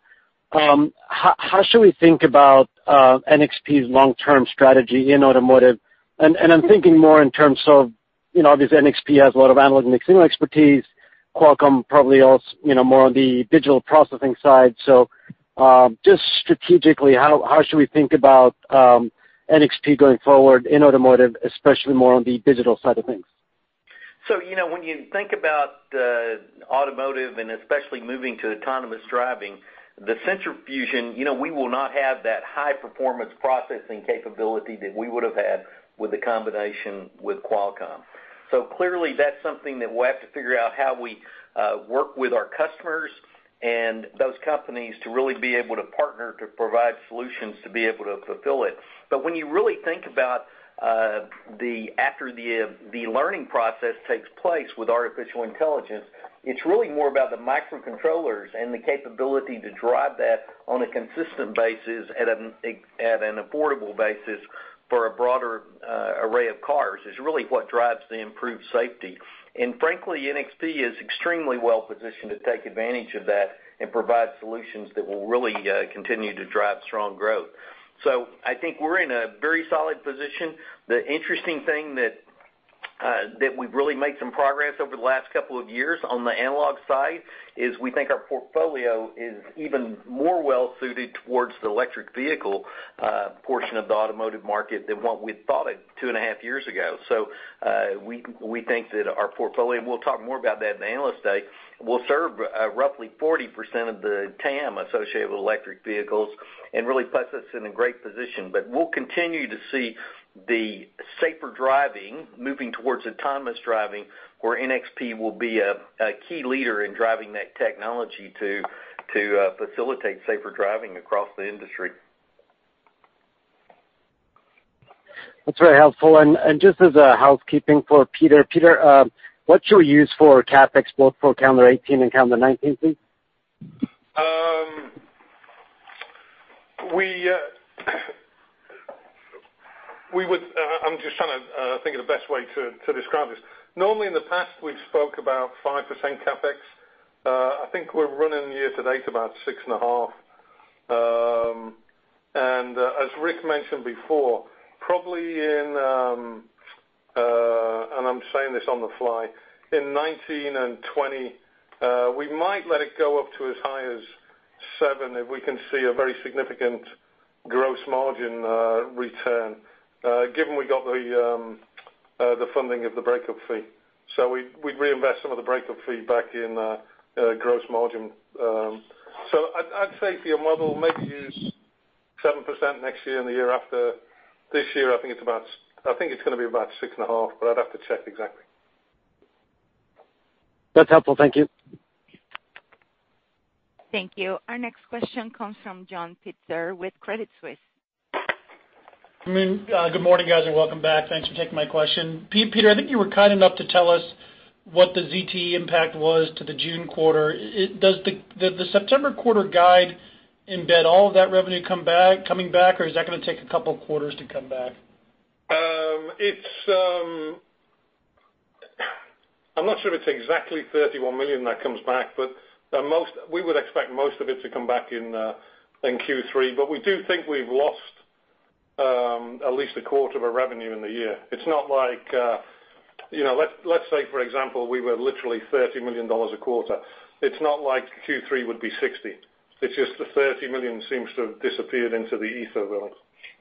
Speaker 9: How should we think about NXP's long-term strategy in automotive? I'm thinking more in terms of, obviously NXP has a lot of analog and mixed-signal expertise, Qualcomm probably more on the digital processing side. Just strategically, how should we think about NXP going forward in automotive, especially more on the digital side of things?
Speaker 3: When you think about the automotive and especially moving to autonomous driving, the sensor fusion, we will not have that high-performance processing capability that we would've had with the combination with Qualcomm. Clearly, that's something that we'll have to figure out how we work with our customers and those companies to really be able to partner to provide solutions to be able to fulfill it. When you really think about after the learning process takes place with artificial intelligence, it's really more about the microcontrollers and the capability to drive that on a consistent basis at an affordable basis for a broader array of cars, is really what drives the improved safety. Frankly, NXP is extremely well-positioned to take advantage of that and provide solutions that will really continue to drive strong growth. I think we're in a very solid position. The interesting thing that we've really made some progress over the last couple of years on the analog side is we think our portfolio is even more well-suited towards the electric vehicle portion of the automotive market than what we thought two and a half years ago. We think that our portfolio, and we'll talk more about that in the Analyst Day, will serve roughly 40% of the TAM associated with electric vehicles and really puts us in a great position. We'll continue to see the safer driving moving towards autonomous driving, where NXP will be a key leader in driving that technology to facilitate safer driving across the industry.
Speaker 9: That's very helpful. Just as a housekeeping for Peter. Peter, what's your use for CapEx, both for calendar 2018 and calendar 2019, please?
Speaker 4: I'm just trying to think of the best way to describe this. Normally, in the past, we've spoke about 5% CapEx. I think we're running year to date about 6.5%. As Rick mentioned before, probably in, and I'm saying this on the fly, in 2019 and 2020, we might let it go up to as high as 7% if we can see a very significant gross margin return, given we got the funding of the breakup fee. We'd reinvest some of the breakup fee back in gross margin. I'd say for your model, maybe use 7% next year and the year after. This year, I think it's going to be about 6.5%, but I'd have to check exactly.
Speaker 9: That's helpful. Thank you.
Speaker 1: Thank you. Our next question comes from John Pitzer with Credit Suisse.
Speaker 10: Good morning, guys, and welcome back. Thanks for taking my question. Peter, I think you were kind enough to tell us what the ZTE impact was to the June quarter. Does the September quarter guide embed all of that revenue coming back or is that going to take a couple quarters to come back?
Speaker 4: I'm not sure if it's exactly $31 million that comes back, we would expect most of it to come back in Q3. We do think we've lost at least a quarter of a revenue in the year. Let's say, for example, we were literally $30 million a quarter. It's not like Q3 would be $60. It's just the $30 million seems to have disappeared into the ether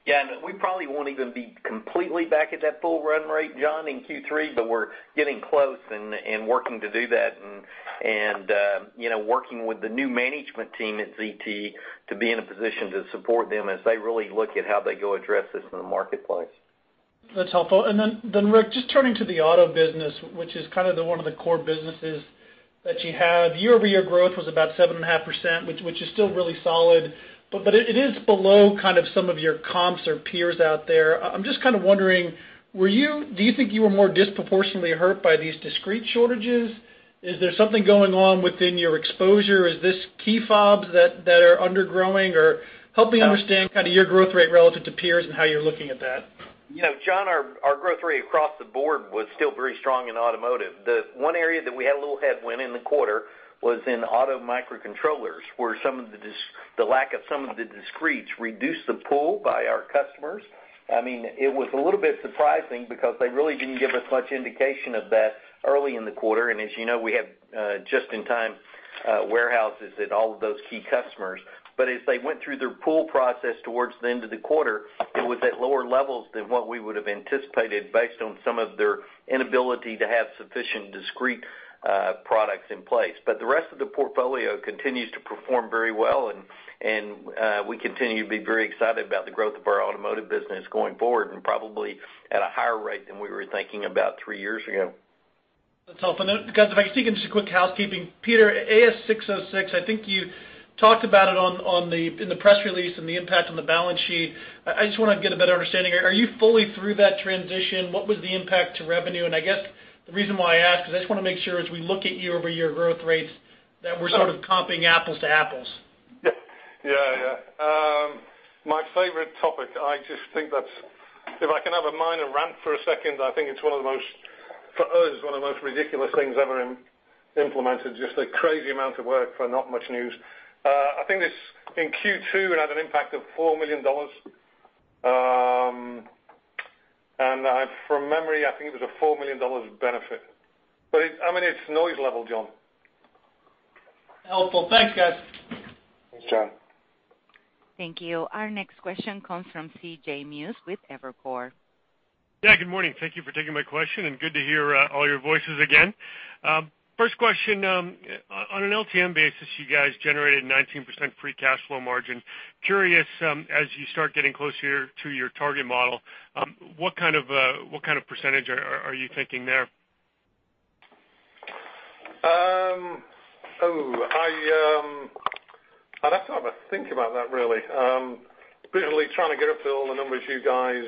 Speaker 4: realms.
Speaker 3: We probably won't even be completely back at that full run rate, John, in Q3. We're getting close and working to do that and working with the new management team at ZTE to be in a position to support them as they really look at how they go address this in the marketplace.
Speaker 10: That's helpful. Rick, just turning to the auto business, which is kind of one of the core businesses that you have. Year-over-year growth was about 7.5%, which is still really solid, it is below kind of some of your comps or peers out there. I'm just kind of wondering, do you think you were more disproportionately hurt by these discrete shortages? Is there something going on within your exposure? Is this key fobs that are undergrowing or help me understand kind of your growth rate relative to peers and how you're looking at that.
Speaker 3: John, our growth rate across the board was still very strong in automotive. The one area that we had a little headwind in the quarter was in auto microcontrollers, where the lack of some of the discretes reduced the pool by our customers. It was a little bit surprising because they really didn't give us much indication of that early in the quarter. As you know, we have just-in-time warehouses at all of those key customers. As they went through their pool process towards the end of the quarter, it was at lower levels than what we would've anticipated based on some of their inability to have sufficient discrete products in place. The rest of the portfolio continues to perform very well, and we continue to be very excited about the growth of our automotive business going forward, and probably at a higher rate than we were thinking about three years ago.
Speaker 10: That's helpful. Guys, if I can take just a quick housekeeping. Peter, ASC 606, I think you talked about it in the press release and the impact on the balance sheet. I just want to get a better understanding. Are you fully through that transition? What was the impact to revenue? I guess the reason why I ask is I just want to make sure as we look at year-over-year growth rates, that we're sort of comping apples to apples.
Speaker 4: Yeah. My favorite topic, if I can have a minor rant for a second, I think it's, for us, one of the most ridiculous things ever implemented, just a crazy amount of work for not much news. I think this in Q2, it had an impact of $4 million. From memory, I think it was a $4 million benefit. It's noise level, John.
Speaker 10: Helpful. Thanks, guys.
Speaker 4: Thanks, John.
Speaker 1: Thank you. Our next question comes from C.J. Muse with Evercore.
Speaker 11: Yeah, good morning. Thank you for taking my question, and good to hear all your voices again. First question, on an LTM basis, you guys generated 19% free cash flow margin. Curious, as you start getting closer to your target model, what kind of percentage are you thinking there?
Speaker 4: I'd have to have a think about that, really. Busily trying to get through all the numbers you guys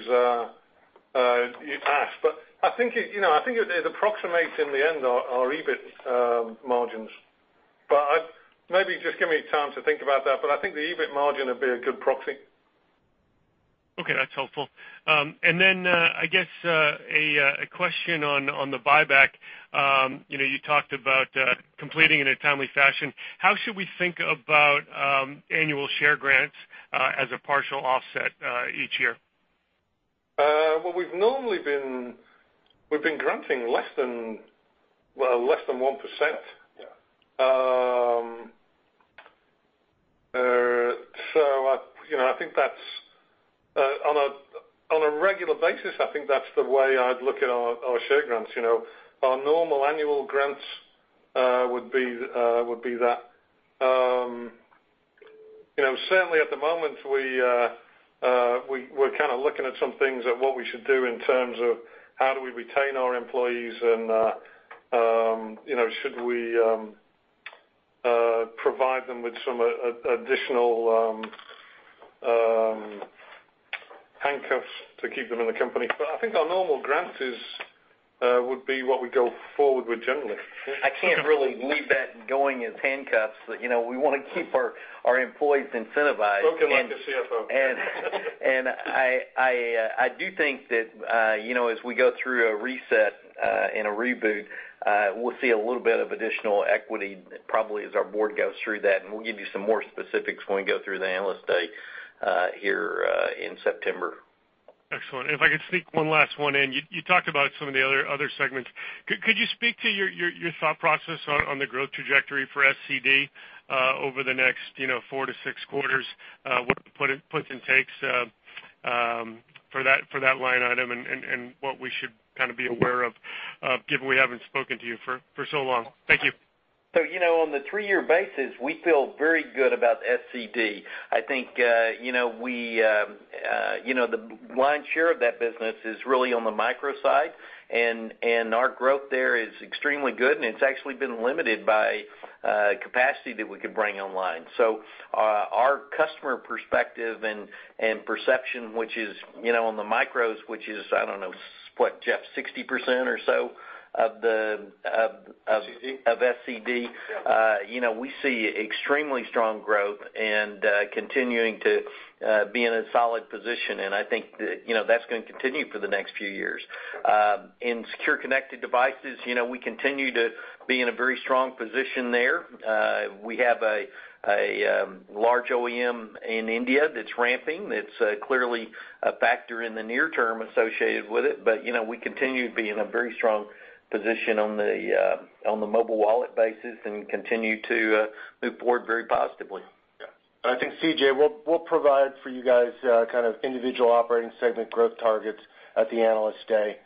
Speaker 4: asked. I think it approximates in the end our EBIT margins. Maybe just give me time to think about that, but I think the EBIT margin would be a good proxy.
Speaker 11: Okay, that's helpful. Then, I guess, a question on the buyback. You talked about completing in a timely fashion. How should we think about annual share grants as a partial offset each year?
Speaker 4: Well, we've been granting less than 1%.
Speaker 3: Yeah.
Speaker 4: On a regular basis, I think that's the way I'd look at our share grants. Our normal annual grants would be that. Certainly at the moment, we're kind of looking at some things at what we should do in terms of how do we retain our employees and should we provide them with some additional handcuffs to keep them in the company. I think our normal grants would be what we go forward with generally.
Speaker 3: I can't really leave that going as handcuffs. We want to keep our employees incentivized.
Speaker 4: Spoken like a CFO
Speaker 3: I do think that as we go through a reset and a reboot, we'll see a little bit of additional equity probably as our board goes through that, and we'll give you some more specifics when we go through the Analyst Day here in September.
Speaker 11: Excellent. If I could sneak one last one in. You talked about some of the other segments. Could you speak to your thought process on the growth trajectory for SCD over the next four to six quarters, what it puts and takes for that line item and what we should kind of be aware of, given we haven't spoken to you for so long? Thank you.
Speaker 3: On the three-year basis, we feel very good about SCD. I think the lion's share of that business is really on the micro side, and our growth there is extremely good, and it's actually been limited by capacity that we could bring online. Our customer perspective and perception, which is on the micros, which is, I don't know, what, Jeff, 60% or so.
Speaker 2: SCD?
Speaker 3: Of SCD. We see extremely strong growth and continuing to be in a solid position. I think that's going to continue for the next few years. In secure connected devices, we continue to be in a very strong position there. We have a large OEM in India that's ramping, that's clearly a factor in the near term associated with it. We continue to be in a very strong position on the mobile wallet basis and continue to move forward very positively.
Speaker 2: I think, C.J., we'll provide for you guys kind of individual operating segment growth targets at the Analyst Day.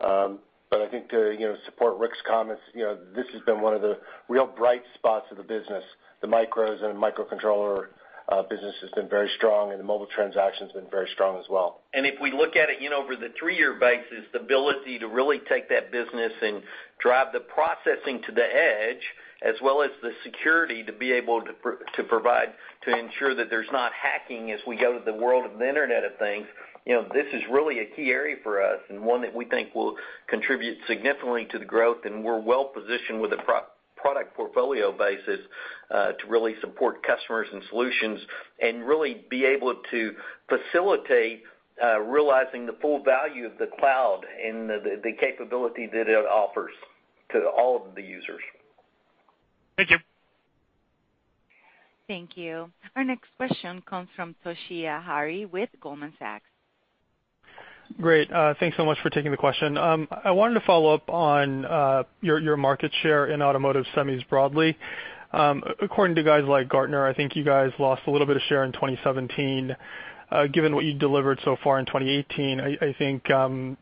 Speaker 2: I think to support Rick's comments, this has been one of the real bright spots of the business. The micros and microcontroller business has been very strong, and the mobile transaction's been very strong as well.
Speaker 3: If we look at it over the three-year basis, the ability to really take that business and drive the processing to the edge as well as the security to be able to provide to ensure that there's not hacking as we go to the world of the Internet of Things, this is really a key area for us and one that we think will contribute significantly to the growth, and we're well-positioned with a product portfolio basis to really support customers and solutions and really be able to facilitate realizing the full value of the cloud and the capability that it offers to all of the users.
Speaker 11: Thank you.
Speaker 1: Thank you. Our next question comes from Toshiya Hari with Goldman Sachs.
Speaker 12: Great. Thanks so much for taking the question. I wanted to follow up on your market share in automotive semis broadly. According to guys like Gartner, I think you guys lost a little bit of share in 2017. Given what you delivered so far in 2018, I think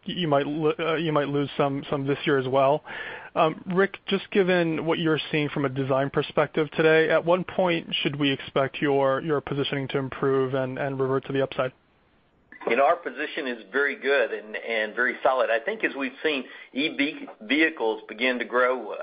Speaker 12: you might lose some this year as well. Rick, just given what you're seeing from a design perspective today, at what point should we expect your positioning to improve and revert to the upside?
Speaker 3: Our position is very good and very solid. I think as we've seen, EV vehicles begin to grow,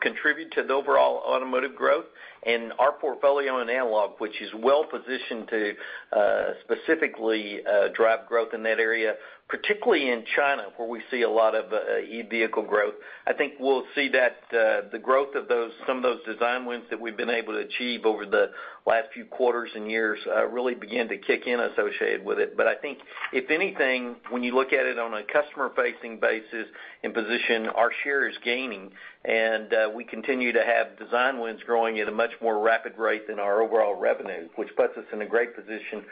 Speaker 3: contribute to the overall automotive growth, and our portfolio in analog, which is well-positioned to specifically drive growth in that area, particularly in China, where we see a lot of E-vehicle growth. I think we'll see that the growth of some of those design wins that we've been able to achieve over the last few quarters and years really begin to kick in associated with it. I think if anything, when you look at it on a customer-facing basis and position, our share is gaining, and we continue to have design wins growing at a much more rapid rate than our overall revenue, which puts us in a great position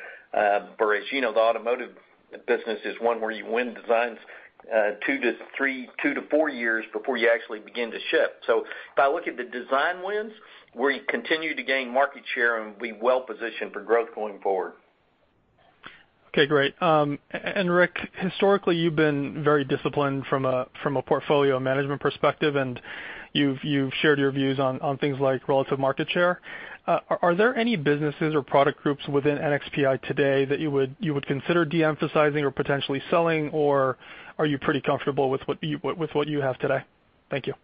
Speaker 3: for, as you know, the automotive business is one where you win designs two to four years before you actually begin to ship. If I look at the design wins, we continue to gain market share and be well-positioned for growth going forward.
Speaker 12: Okay, great. Rick, historically, you've been very disciplined from a portfolio management perspective, and you've shared your views on things like relative market share. Are there any businesses or product groups within NXPI today that you would consider de-emphasizing or potentially selling, or are you pretty comfortable with what you have today? Thank you.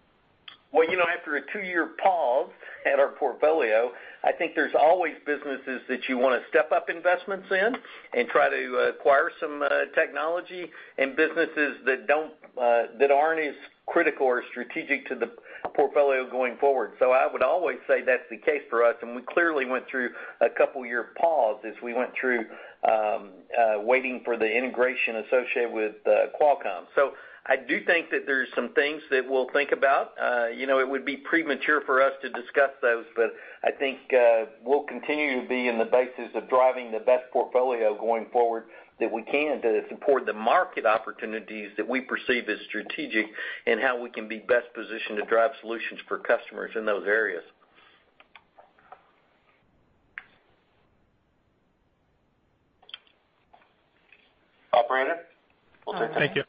Speaker 3: Well, after a two-year pause at our portfolio, I think there's always businesses that you want to step up investments in and try to acquire some technology and businesses that aren't as critical or strategic to the portfolio going forward. I would always say that's the case for us, and we clearly went through a couple of year pause as we went through waiting for the integration associated with Qualcomm. I do think that there's some things that we'll think about. It would be premature for us to discuss those, but I think we'll continue to be in the basis of driving the best portfolio going forward that we can to support the market opportunities that we perceive as strategic and how we can be best positioned to drive solutions for customers in those areas. Operator?
Speaker 12: Thank you.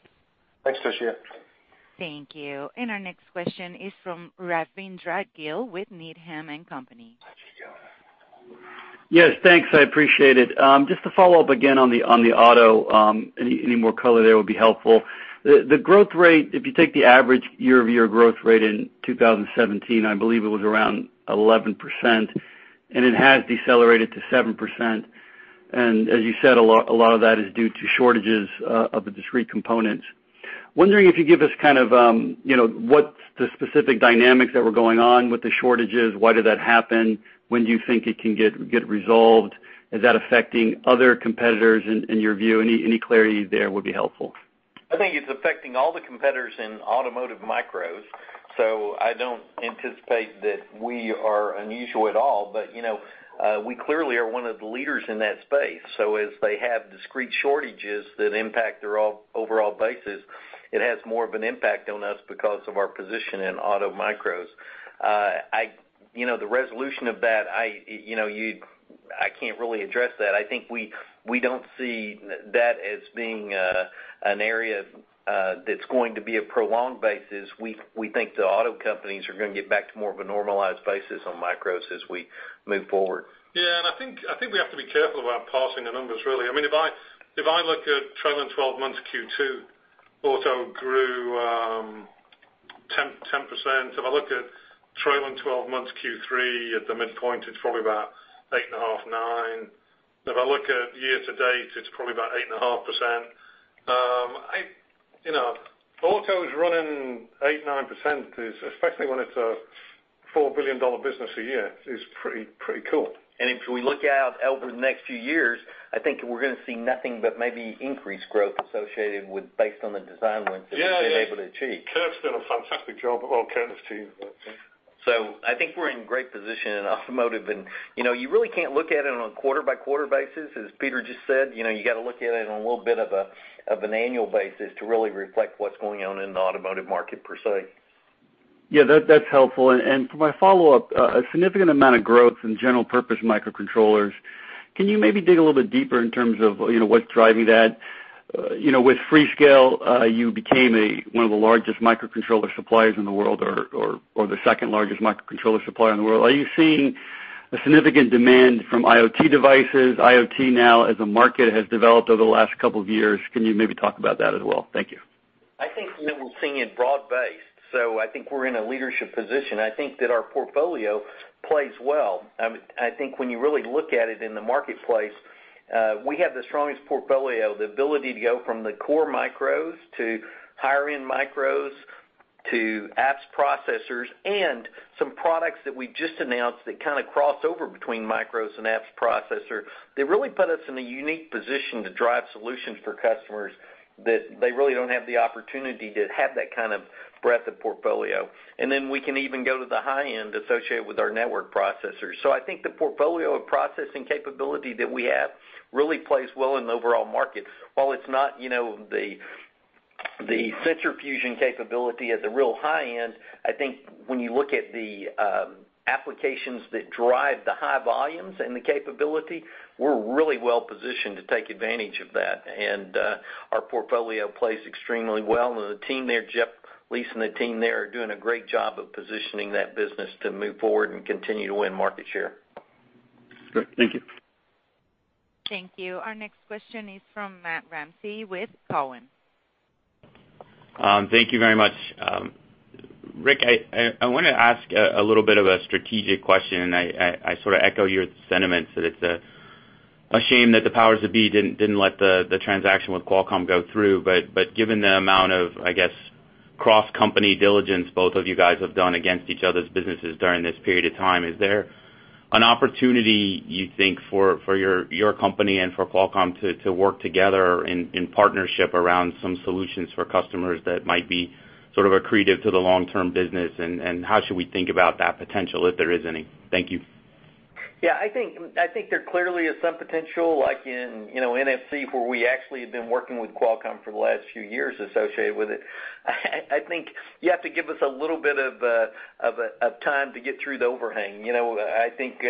Speaker 3: Thanks, Toshiya.
Speaker 1: Thank you. Our next question is from Rajvindra Gill with Needham & Company.
Speaker 2: Rajvindra Gill.
Speaker 13: Yes, thanks. I appreciate it. Just to follow up again on the auto, any more color there would be helpful. The growth rate, if you take the average year-over-year growth rate in 2017, I believe it was around 11%, and it has decelerated to 7%. As you said, a lot of that is due to shortages of the discrete components. Wondering if you give us what the specific dynamics that were going on with the shortages, why did that happen? When do you think it can get resolved? Is that affecting other competitors in your view? Any clarity there would be helpful.
Speaker 3: I think it's affecting all the competitors in automotive micros, so I don't anticipate that we are unusual at all. We clearly are one of the leaders in that space, so as they have discrete shortages that impact their overall basis, it has more of an impact on us because of our position in auto micros. The resolution of that, I can't really address that. I think we don't see that as being an area that's going to be a prolonged basis. We think the auto companies are going to get back to more of a normalized basis on micros as we move forward.
Speaker 4: Yeah. I think we have to be careful about parsing the numbers, really. If I look at trailing 12 months Q2, auto grew 10%. If I look at trailing 12 months Q3, at the midpoint, it's probably about 8.5%, 9%. If I look at year-to-date, it's probably about 8.5%. Auto's running 8%, 9% is, especially when it's a $4 billion business a year, is pretty cool.
Speaker 3: If we look out over the next few years, I think we're going to see nothing but maybe increased growth associated with based on the design wins that we've been able to achieve.
Speaker 4: Yeah. Kurt's done a fantastic job. Well, Kurt and his team.
Speaker 3: I think we're in great position in automotive, and you really can't look at it on a quarter-by-quarter basis, as Peter just said. You've got to look at it on a little bit of an annual basis to really reflect what's going on in the automotive market per se.
Speaker 13: That's helpful. For my follow-up, a significant amount of growth in general purpose microcontrollers. Can you maybe dig a little bit deeper in terms of what's driving that? With Freescale, you became one of the largest microcontroller suppliers in the world, or the second-largest microcontroller supplier in the world. Are you seeing a significant demand from IoT devices? IoT now as a market has developed over the last couple of years. Can you maybe talk about that as well? Thank you.
Speaker 3: I think that we're seeing it broad based, so I think we're in a leadership position. I think that our portfolio plays well. I think when you really look at it in the marketplace, we have the strongest portfolio, the ability to go from the core micros to higher-end micros to apps processors and some products that we just announced that kind of cross over between micros and apps processor. They really put us in a unique position to drive solutions for customers that they really don't have the opportunity to have that kind of breadth of portfolio. Then we can even go to the high end associated with our network processors. I think the portfolio of processing capability that we have really plays well in the overall market. While it's not the sensor fusion capability at the real high end, I think when you look at the applications that drive the high volumes and the capability, we're really well positioned to take advantage of that. Our portfolio plays extremely well and the team there, Geoff Lees and the team there are doing a great job of positioning that business to move forward and continue to win market share.
Speaker 13: Great. Thank you.
Speaker 1: Thank you. Our next question is from Matthew Ramsay with Cowen.
Speaker 14: Thank you very much. Rick, I want to ask a little bit of a strategic question. I sort of echo your sentiments that it's a shame that the powers that be didn't let the transaction with Qualcomm go through. Given the amount of, I guess, cross-company diligence both of you guys have done against each other's businesses during this period of time, is there an opportunity, you think, for your company and for Qualcomm to work together in partnership around some solutions for customers that might be sort of accretive to the long-term business? How should we think about that potential, if there is any? Thank you.
Speaker 3: Yeah, I think there clearly is some potential like in NFC where we actually have been working with Qualcomm for the last few years associated with it. I think you have to give us a little bit of time to get through the overhang. I think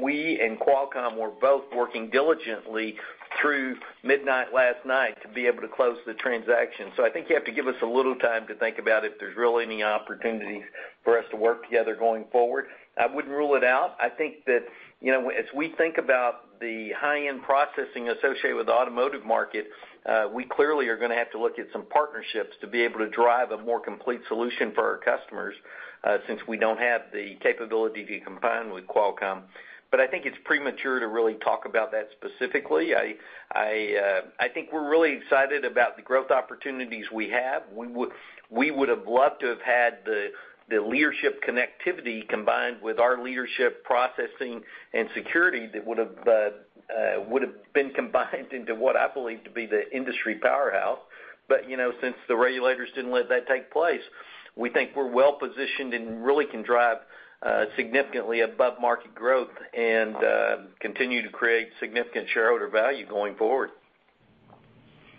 Speaker 3: we and Qualcomm were both working diligently through midnight last night to be able to close the transaction. I think you have to give us a little time to think about if there's really any opportunities for us to work together going forward. I wouldn't rule it out. I think that as we think about the high-end processing associated with the automotive market, we clearly are going to have to look at some partnerships to be able to drive a more complete solution for our customers, since we don't have the capability to combine with Qualcomm. I think it's premature to really talk about that specifically. I think we're really excited about the growth opportunities we have. We would have loved to have had the leadership connectivity combined with our leadership processing and security that would've been combined into what I believe to be the industry powerhouse. Since the regulators didn't let that take place, we think we're well positioned and really can drive significantly above-market growth and continue to create significant shareholder value going forward.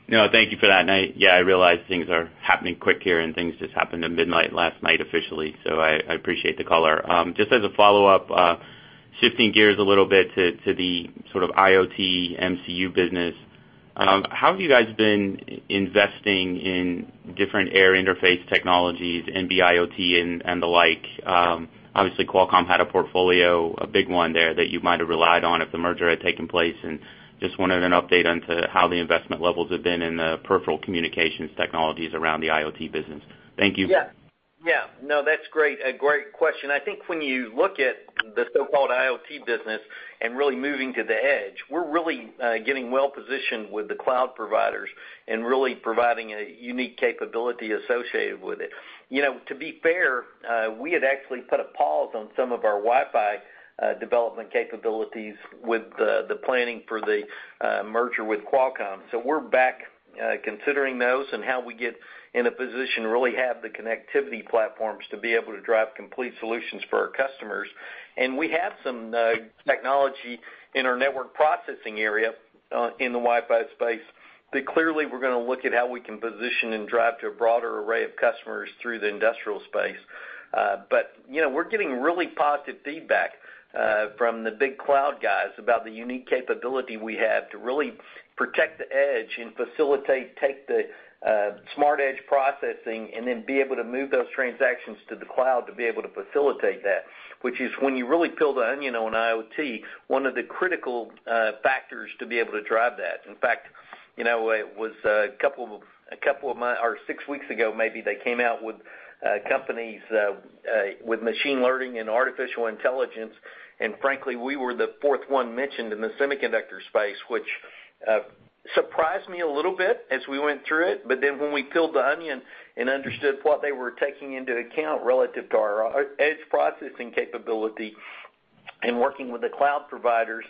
Speaker 14: Thank you for that. Yeah, I realize things are happening quick here and things just happened at midnight last night officially, so I appreciate the caller. Just as a follow-up, shifting gears a little bit to the sort of IoT MCU business. How have you guys been investing in different air interface technologies, NB-IoT and the like? Obviously Qualcomm had a portfolio, a big one there that you might have relied on if the merger had taken place, and just wanted an update onto how the investment levels have been in the peripheral communications technologies around the IoT business. Thank you.
Speaker 3: Yeah. No, that's great. A great question. I think when you look at the so-called IoT business and really moving to the edge, we're really getting well-positioned with the cloud providers and really providing a unique capability associated with it. To be fair, we had actually put a pause on some of our Wi-Fi development capabilities with the planning for the merger with Qualcomm. We're back considering those and how we get in a position to really have the connectivity platforms to be able to drive complete solutions for our customers. We have some technology in our network processing area, in the Wi-Fi space, that clearly we're going to look at how we can position and drive to a broader array of customers through the industrial space. We're getting really positive feedback from the big cloud guys about the unique capability we have to really protect the edge and facilitate, take the smart edge processing, and then be able to move those transactions to the cloud to be able to facilitate that, which is when you really peel the onion on an IoT, one of the critical factors to be able to drive that. In fact, it was six weeks ago, maybe, they came out with companies with machine learning and artificial intelligence, and frankly, we were the fourth one mentioned in the semiconductor space, which surprised me a little bit as we went through it. When we peeled the onion and understood what they were taking into account relative to our edge processing capability and working with the cloud providers,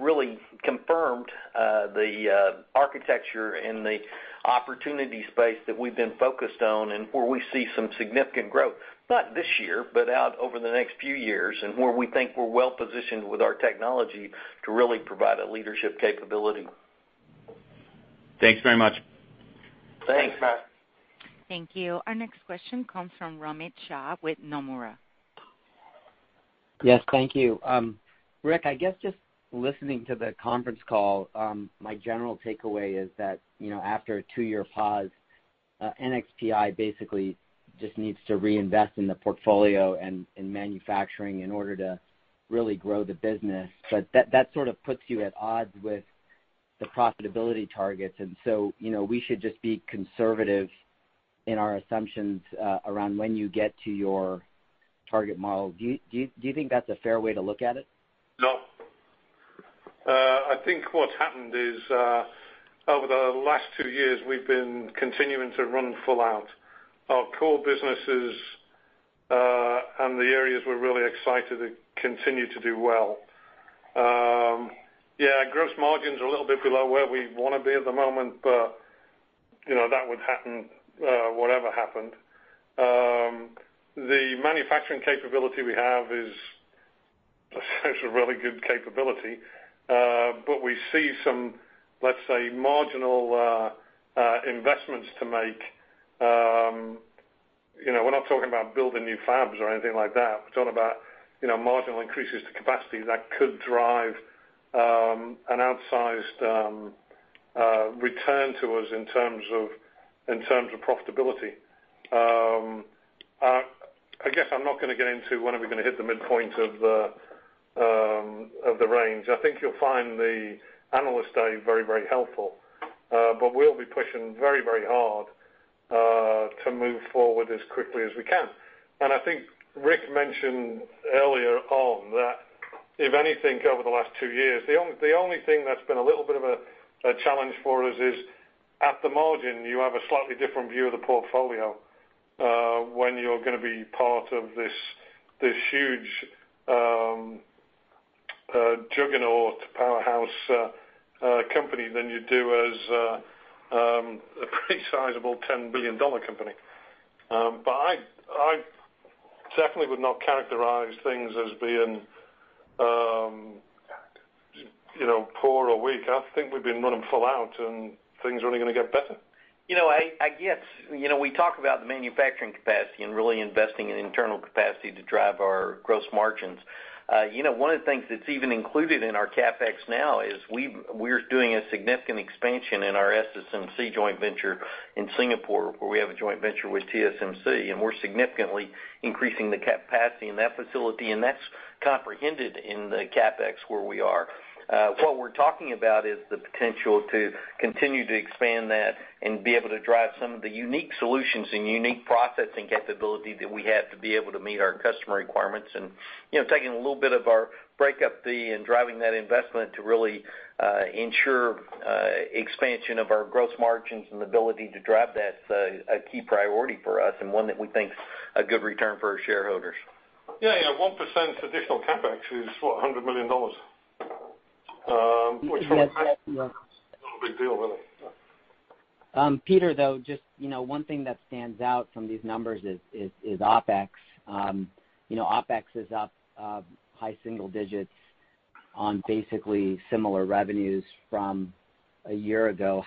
Speaker 3: really confirmed the architecture and the opportunity space that we've been focused on and where we see some significant growth. Not this year, but out over the next few years, and where we think we're well-positioned with our technology to really provide a leadership capability.
Speaker 14: Thanks very much.
Speaker 3: Thanks.
Speaker 1: Thank you. Our next question comes from Romit Shah with Nomura.
Speaker 15: Yes, thank you. Rick, I guess just listening to the conference call, my general takeaway is that after a two-year pause, NXPI basically just needs to reinvest in the portfolio and in manufacturing in order to really grow the business. That sort of puts you at odds with the profitability targets, and so we should just be conservative in our assumptions around when you get to your target model. Do you think that's a fair way to look at it?
Speaker 4: No. I think what's happened is, over the last two years, we've been continuing to run full out our core businesses, and the areas we're really excited to continue to do well. Yeah, gross margins are a little bit below where we want to be at the moment, but that would happen whatever happened. The manufacturing capability we have is a really good capability. We see some, let's say, marginal investments to make. We're not talking about building new fabs or anything like that. We're talking about marginal increases to capacity that could drive an outsized return to us in terms of profitability. I guess I'm not going to get into when are we going to hit the midpoint of the range. I think you'll find the analyst day very helpful. We'll be pushing very hard to move forward as quickly as we can. I think Rick mentioned earlier on that, if anything, over the last 2 years, the only thing that's been a little bit of a challenge for us is at the margin, you have a slightly different view of the portfolio when you're going to be part of this huge juggernaut powerhouse company than you do as a pretty sizable $10 billion company. I definitely would not characterize things as being poor or weak. I think we've been running full out, and things are only going to get better.
Speaker 3: I guess we talk about the manufacturing capacity and really investing in internal capacity to drive our gross margins. One of the things that's even included in our CapEx now is we're doing a significant expansion in our SSMC joint venture in Singapore, where we have a joint venture with TSMC, and we're significantly increasing the capacity in that facility, and that's comprehended in the CapEx where we are. What we're talking about is the potential to continue to expand that and be able to drive some of the unique solutions and unique processing capability that we have to be able to meet our customer requirements. Taking a little bit of our break-up fee and driving that investment to really ensure expansion of our gross margins and the ability to drive that's a key priority for us and one that we think is a good return for our shareholders.
Speaker 4: Yeah. 1% additional CapEx is what? $100 million. Not a big deal, really.
Speaker 15: Peter, though, just one thing that stands out from these numbers is OpEx. OpEx is up high single digits on basically similar revenues from a year ago.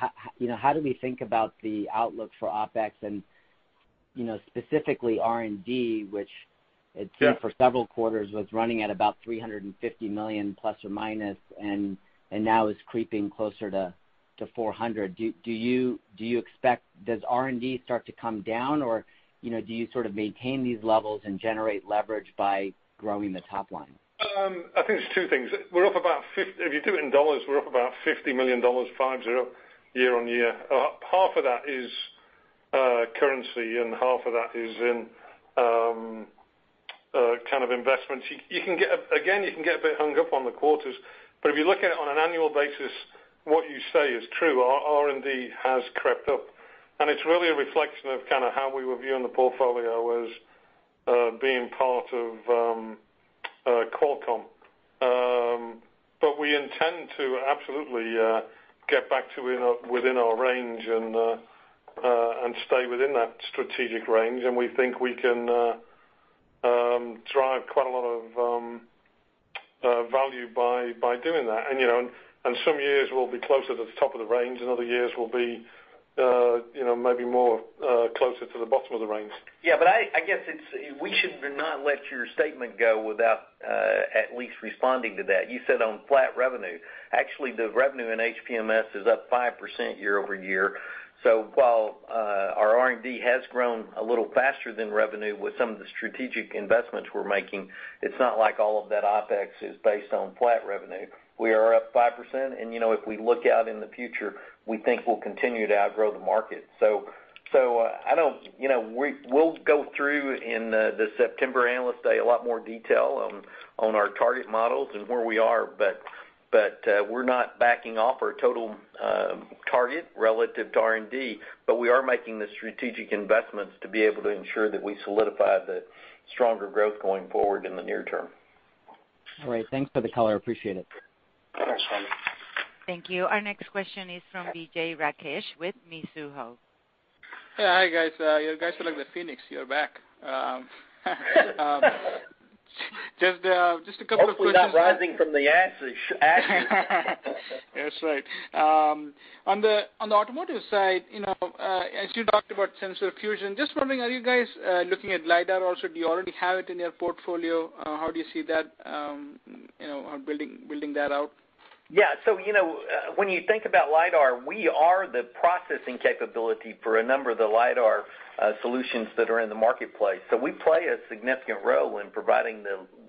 Speaker 15: How do we think about the outlook for OpEx and specifically R&D, which it seemed for several quarters, was running at about $350 million plus or minus, and now is creeping closer to $400 million. Does R&D start to come down, or do you sort of maintain these levels and generate leverage by growing the top line?
Speaker 4: I think there's two things. If you do it in dollars, we're up about $50 million, five-zero year-over-year. Half of that is currency and half of that is in kind of investments. Again, you can get a bit hung up on the quarters, but if you look at it on an annual basis, what you say is true, our R&D has crept up, and it's really a reflection of kind of how we were viewing the portfolio as being part of Qualcomm. We intend to absolutely get back to within our range and stay within that strategic range, and we think we can drive quite a lot of value by doing that. Some years we'll be closer to the top of the range, and other years we'll be maybe more closer to the bottom of the range.
Speaker 3: Yeah, I guess we should not let your statement go without at least responding to that. You said on flat revenue. Actually, the revenue in HPMS is up 5% year-over-year. While our R&D has grown a little faster than revenue with some of the strategic investments we're making, it's not like all of that OpEx is based on flat revenue. We are up 5%, and if we look out in the future, we think we'll continue to outgrow the market. We'll go through in the September Analyst Day, a lot more detail on our target models and where we are, but we're not backing off our total target relative to R&D. We are making the strategic investments to be able to ensure that we solidify the stronger growth going forward in the near term.
Speaker 15: All right. Thanks for the color. Appreciate it.
Speaker 3: Thanks.
Speaker 1: Thank you. Our next question is from Vijay Rakesh with Mizuho.
Speaker 16: Hey, hi guys. You guys are like the phoenix. You're back. Just a couple of questions.
Speaker 3: Hopefully not rising from the ashes.
Speaker 16: That's right. On the automotive side, as you talked about sensor fusion, just wondering, are you guys looking at LIDAR also? Do you already have it in your portfolio? How do you see that, building that out?
Speaker 3: Yeah. When you think about LIDAR, we are the processing capability for a number of the LIDAR solutions that are in the marketplace. We play a significant role in providing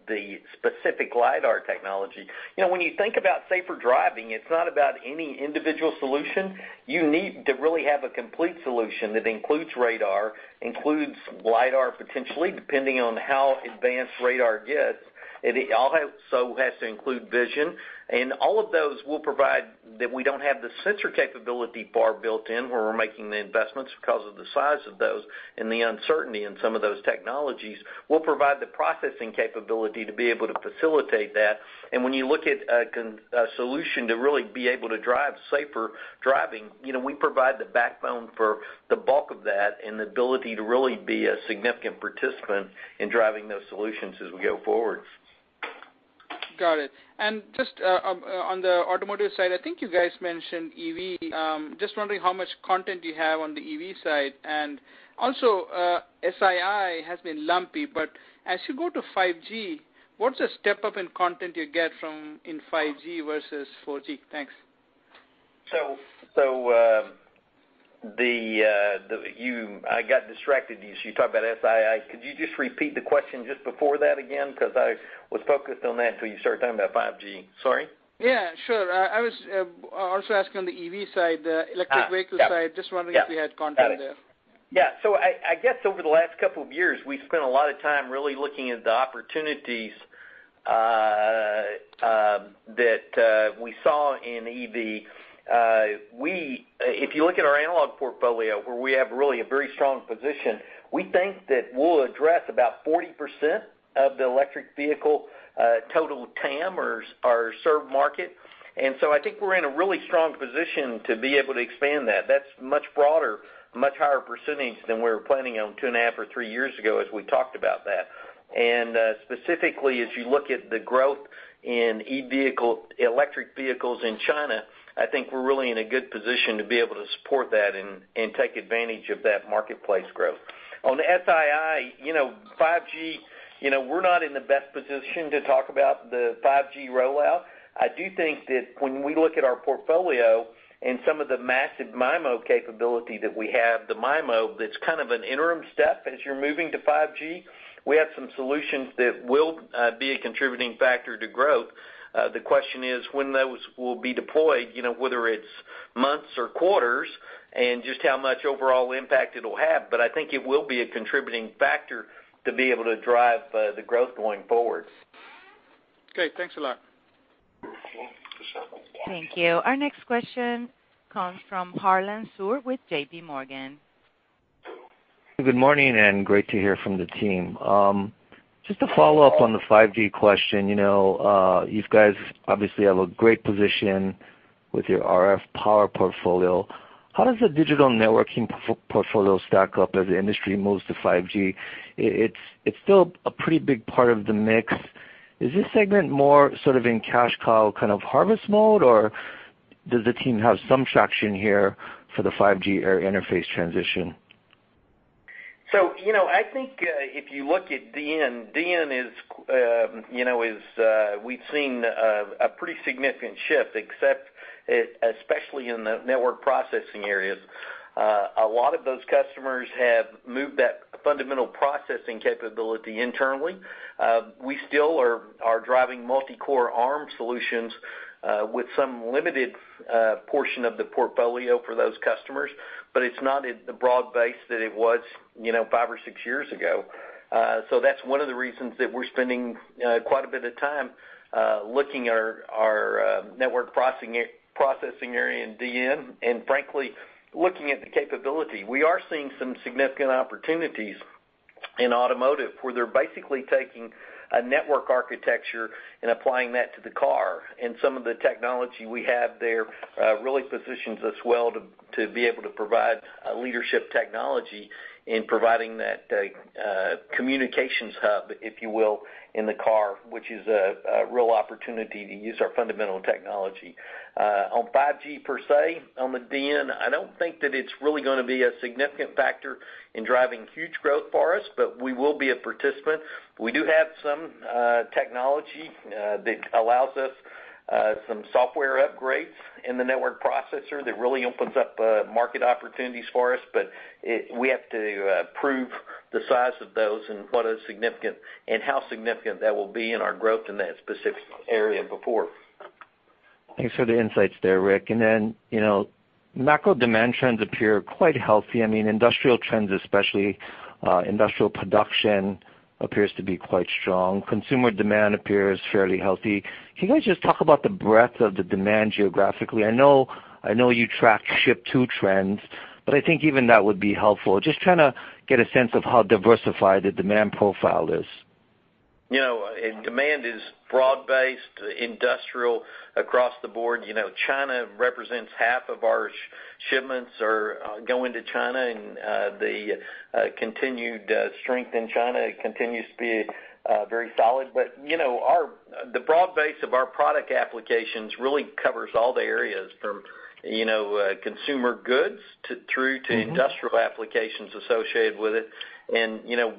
Speaker 3: the specific LIDAR technology. When you think about safer driving, it's not about any individual solution. You need to really have a complete solution that includes radar, includes LIDAR potentially, depending on how advanced radar gets. It also has to include vision, and all of those will provide that we don't have the sensor capability bar built in where we're making the investments because of the size of those and the uncertainty in some of those technologies. We'll provide the processing capability to be able to facilitate that. When you look at a solution to really be able to drive safer driving, we provide the backbone for the bulk of that and the ability to really be a significant participant in driving those solutions as we go forward.
Speaker 16: Got it. Just on the automotive side, I think you guys mentioned EV. Just wondering how much content you have on the EV side. Also, SI&I has been lumpy, but as you go to 5G, what's the step up in content you get from in 5G versus 4G? Thanks.
Speaker 3: I got distracted as you talked about SI&I. Could you just repeat the question just before that again, because I was focused on that until you started talking about 5G. Sorry.
Speaker 16: Yeah, sure. I was also asking on the EV side, electric vehicle side.
Speaker 3: Yep.
Speaker 16: Just wondering if you had content there.
Speaker 3: Got it. Yeah. I guess over the last couple of years, we've spent a lot of time really looking at the opportunities that we saw in EV. If you look at our analog portfolio, where we have really a very strong position, we think that we'll address about 40% of the electric vehicle total TAM or served market. I think we're in a really strong position to be able to expand that. That's much broader, much higher percentage than we were planning on two and a half or three years ago as we talked about that. Specifically, as you look at the growth in electric vehicles in China, I think we're really in a good position to be able to support that and take advantage of that marketplace growth. On SI&I, 5G, we're not in the best position to talk about the 5G rollout. I do think that when we look at our portfolio and some of the massive MIMO capability that we have, the MIMO that's kind of an interim step as you're moving to 5G, we have some solutions that will be a contributing factor to growth. The question is when those will be deployed, whether it's months or quarters, and just how much overall impact it'll have. I think it will be a contributing factor to be able to drive the growth going forward.
Speaker 16: Okay, thanks a lot.
Speaker 1: Thank you. Our next question comes from Harlan Sur with JP Morgan.
Speaker 17: Good morning, great to hear from the team. Just to follow up on the 5G question. You guys obviously have a great position with your RF power portfolio. How does the digital networking portfolio stack up as the industry moves to 5G? It's still a pretty big part of the mix. Is this segment more sort of in cash cow kind of harvest mode, does the team have some traction here for the 5G air interface transition?
Speaker 3: I think if you look at DN, we've seen a pretty significant shift, except especially in the network processing areas. A lot of those customers have moved that fundamental processing capability internally. We still are driving multi-core ARM solutions with some limited portion of the portfolio for those customers, it's not at the broad base that it was five or six years ago. That's one of the reasons that we're spending quite a bit of time looking at our network processing area in DN, frankly, looking at the capability. We are seeing some significant opportunities in automotive, where they're basically taking a network architecture and applying that to the car. Some of the technology we have there really positions us well to be able to provide a leadership technology in providing that communications hub, if you will, in the car, which is a real opportunity to use our fundamental technology. On 5G per se, on the DN, I don't think that it's really going to be a significant factor in driving huge growth for us, but we will be a participant. We do have some technology that allows us some software upgrades in the network processor that really opens up market opportunities for us, but we have to prove the size of those and what are significant, and how significant that will be in our growth in that specific area before.
Speaker 17: Thanks for the insights there, Rick. Macro demand trends appear quite healthy. Industrial trends especially, industrial production appears to be quite strong. Consumer demand appears fairly healthy. Can you guys just talk about the breadth of the demand geographically? I know you track ship-to trends, but I think even that would be helpful. Just trying to get a sense of how diversified the demand profile is.
Speaker 3: Demand is broad-based, industrial across the board. China represents half of our shipments are going to China, and the continued strength in China continues to be very solid. The broad base of our product applications really covers all the areas from consumer goods through to industrial applications associated with it.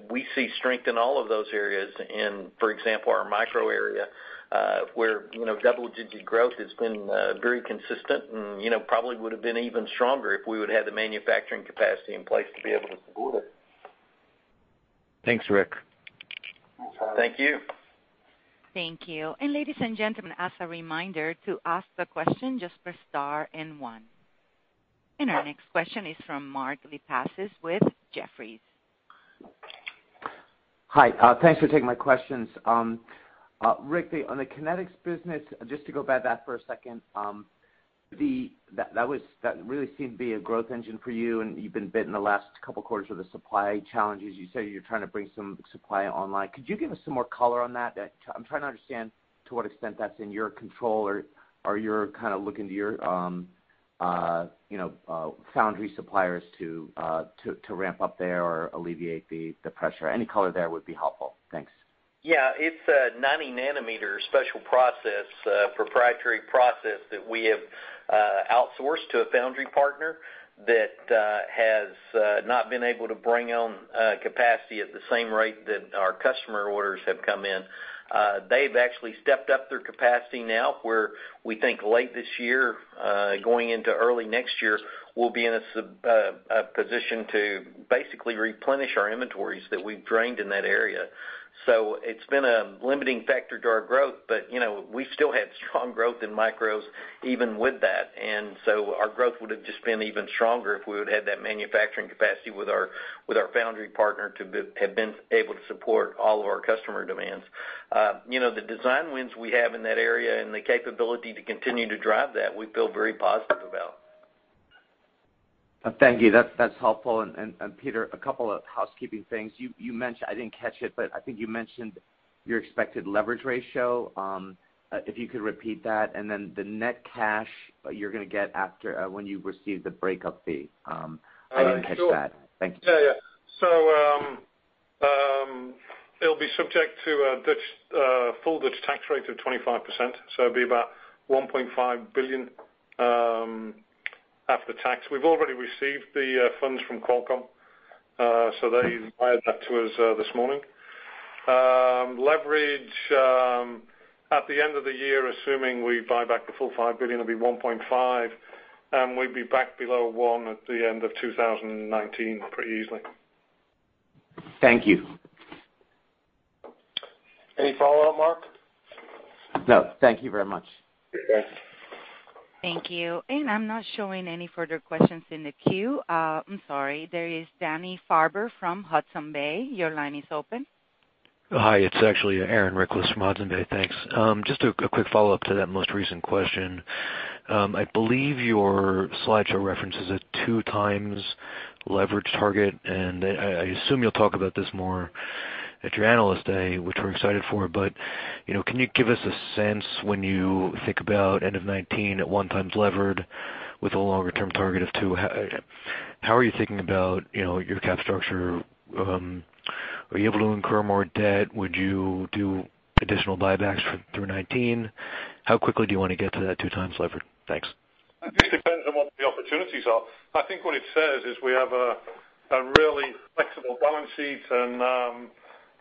Speaker 3: We see strength in all of those areas. In, for example, our micro area, where double-digit growth has been very consistent and probably would've been even stronger if we would've had the manufacturing capacity in place to be able to support it.
Speaker 17: Thanks, Rick.
Speaker 3: Thank you.
Speaker 1: Thank you. Ladies and gentlemen, as a reminder, to ask the question, just press star and one. Our next question is from Mark Lipacis with Jefferies.
Speaker 18: Hi. Thanks for taking my questions. Rick, on the Kinetis business, just to go by that for a second, that really seemed to be a growth engine for you, and you've been bit in the last couple of quarters with the supply challenges. You say you're trying to bring some supply online. Could you give us some more color on that? I'm trying to understand to what extent that's in your control or you're kind of looking to your foundry suppliers to ramp up there or alleviate the pressure. Any color there would be helpful. Thanks.
Speaker 3: Yeah. It's a 90 nanometer special process, proprietary process that we have outsourced to a foundry partner that has not been able to bring on capacity at the same rate that our customer orders have come in. They've actually stepped up their capacity now, where we think late this year, going into early next year, we'll be in a position to basically replenish our inventories that we've drained in that area. It's been a limiting factor to our growth, but we've still had strong growth in micros even with that. Our growth would've just been even stronger if we would've had that manufacturing capacity with our foundry partner to have been able to support all of our customer demands. The design wins we have in that area and the capability to continue to drive that, we feel very positive about.
Speaker 18: Thank you. That's helpful. Peter, a couple of housekeeping things. You mentioned, I didn't catch it, but I think you mentioned your expected leverage ratio. If you could repeat that. The net cash you're going to get when you receive the breakup fee. I didn't catch that.
Speaker 4: Sure.
Speaker 18: Thank you.
Speaker 4: It'll be subject to a full Dutch tax rate of 25%. It'll be about $1.5 billion after tax. We've already received the funds from Qualcomm. They wired that to us this morning. Leverage at the end of the year, assuming we buy back the full $5 billion, it'll be 1.5, and we'd be back below one at the end of 2019 pretty easily.
Speaker 18: Thank you.
Speaker 3: Any follow-up, Mark?
Speaker 18: No. Thank you very much.
Speaker 3: Okay.
Speaker 1: Thank you. I'm not showing any further questions in the queue. I'm sorry. There is Danny Farber from Hudson Bay. Your line is open.
Speaker 19: Hi. It's actually Aaron Rakers from Hudson Bay. Thanks. Just a quick follow-up to that most recent question. I believe your slideshow references a 2x leverage target. I assume you'll talk about this more at your Analyst Day, which we're excited for, but can you give us a sense when you think about end of 2019 at 1x levered with a longer-term target of two, how are you thinking about your cap structure? Are you able to incur more debt? Would you do additional buybacks through 2019? How quickly do you want to get to that 2x levered? Thanks.
Speaker 4: It just depends on what the opportunities are. I think what it says is we have a really flexible balance sheet, and,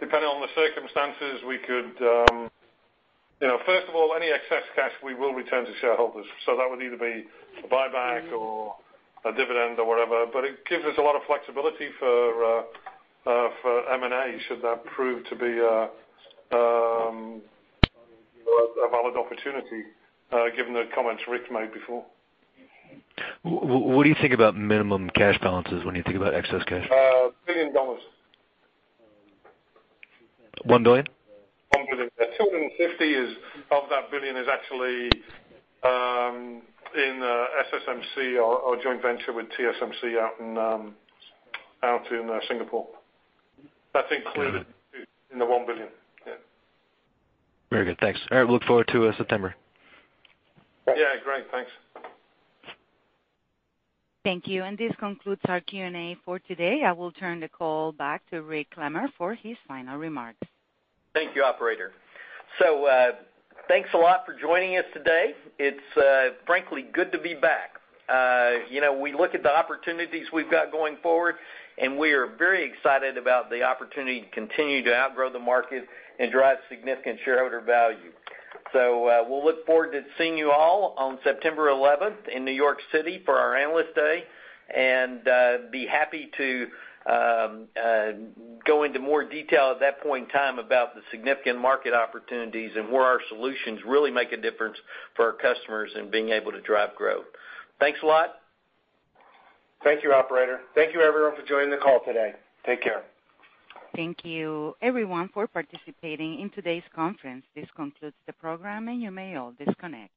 Speaker 4: depending on the circumstances, any excess cash we will return to shareholders. That would either be a buyback or a dividend or whatever, it gives us a lot of flexibility for M&A, should that prove to be a valid opportunity, given the comments Rick made before.
Speaker 19: What do you think about minimum cash balances when you think about excess cash?
Speaker 4: $1 billion.
Speaker 19: $1 billion?
Speaker 4: 1 billion. Yeah, 250 of that 1 billion is actually in SSMC, our joint venture with TSMC out in Singapore. That's included in the 1 billion. Yeah.
Speaker 19: Very good. Thanks. All right, look forward to September.
Speaker 4: Yeah. Great. Thanks.
Speaker 1: Thank you. This concludes our Q&A for today. I will turn the call back to Rick Clemmer for his final remarks.
Speaker 3: Thank you, operator. Thanks a lot for joining us today. It's frankly good to be back. We look at the opportunities we've got going forward, we are very excited about the opportunity to continue to outgrow the market and drive significant shareholder value. We'll look forward to seeing you all on September 11th in New York City for our Analyst Day, be happy to go into more detail at that point in time about the significant market opportunities and where our solutions really make a difference for our customers in being able to drive growth. Thanks a lot.
Speaker 4: Thank you, operator. Thank you everyone for joining the call today. Take care.
Speaker 1: Thank you everyone for participating in today's conference. This concludes the program, you may all disconnect.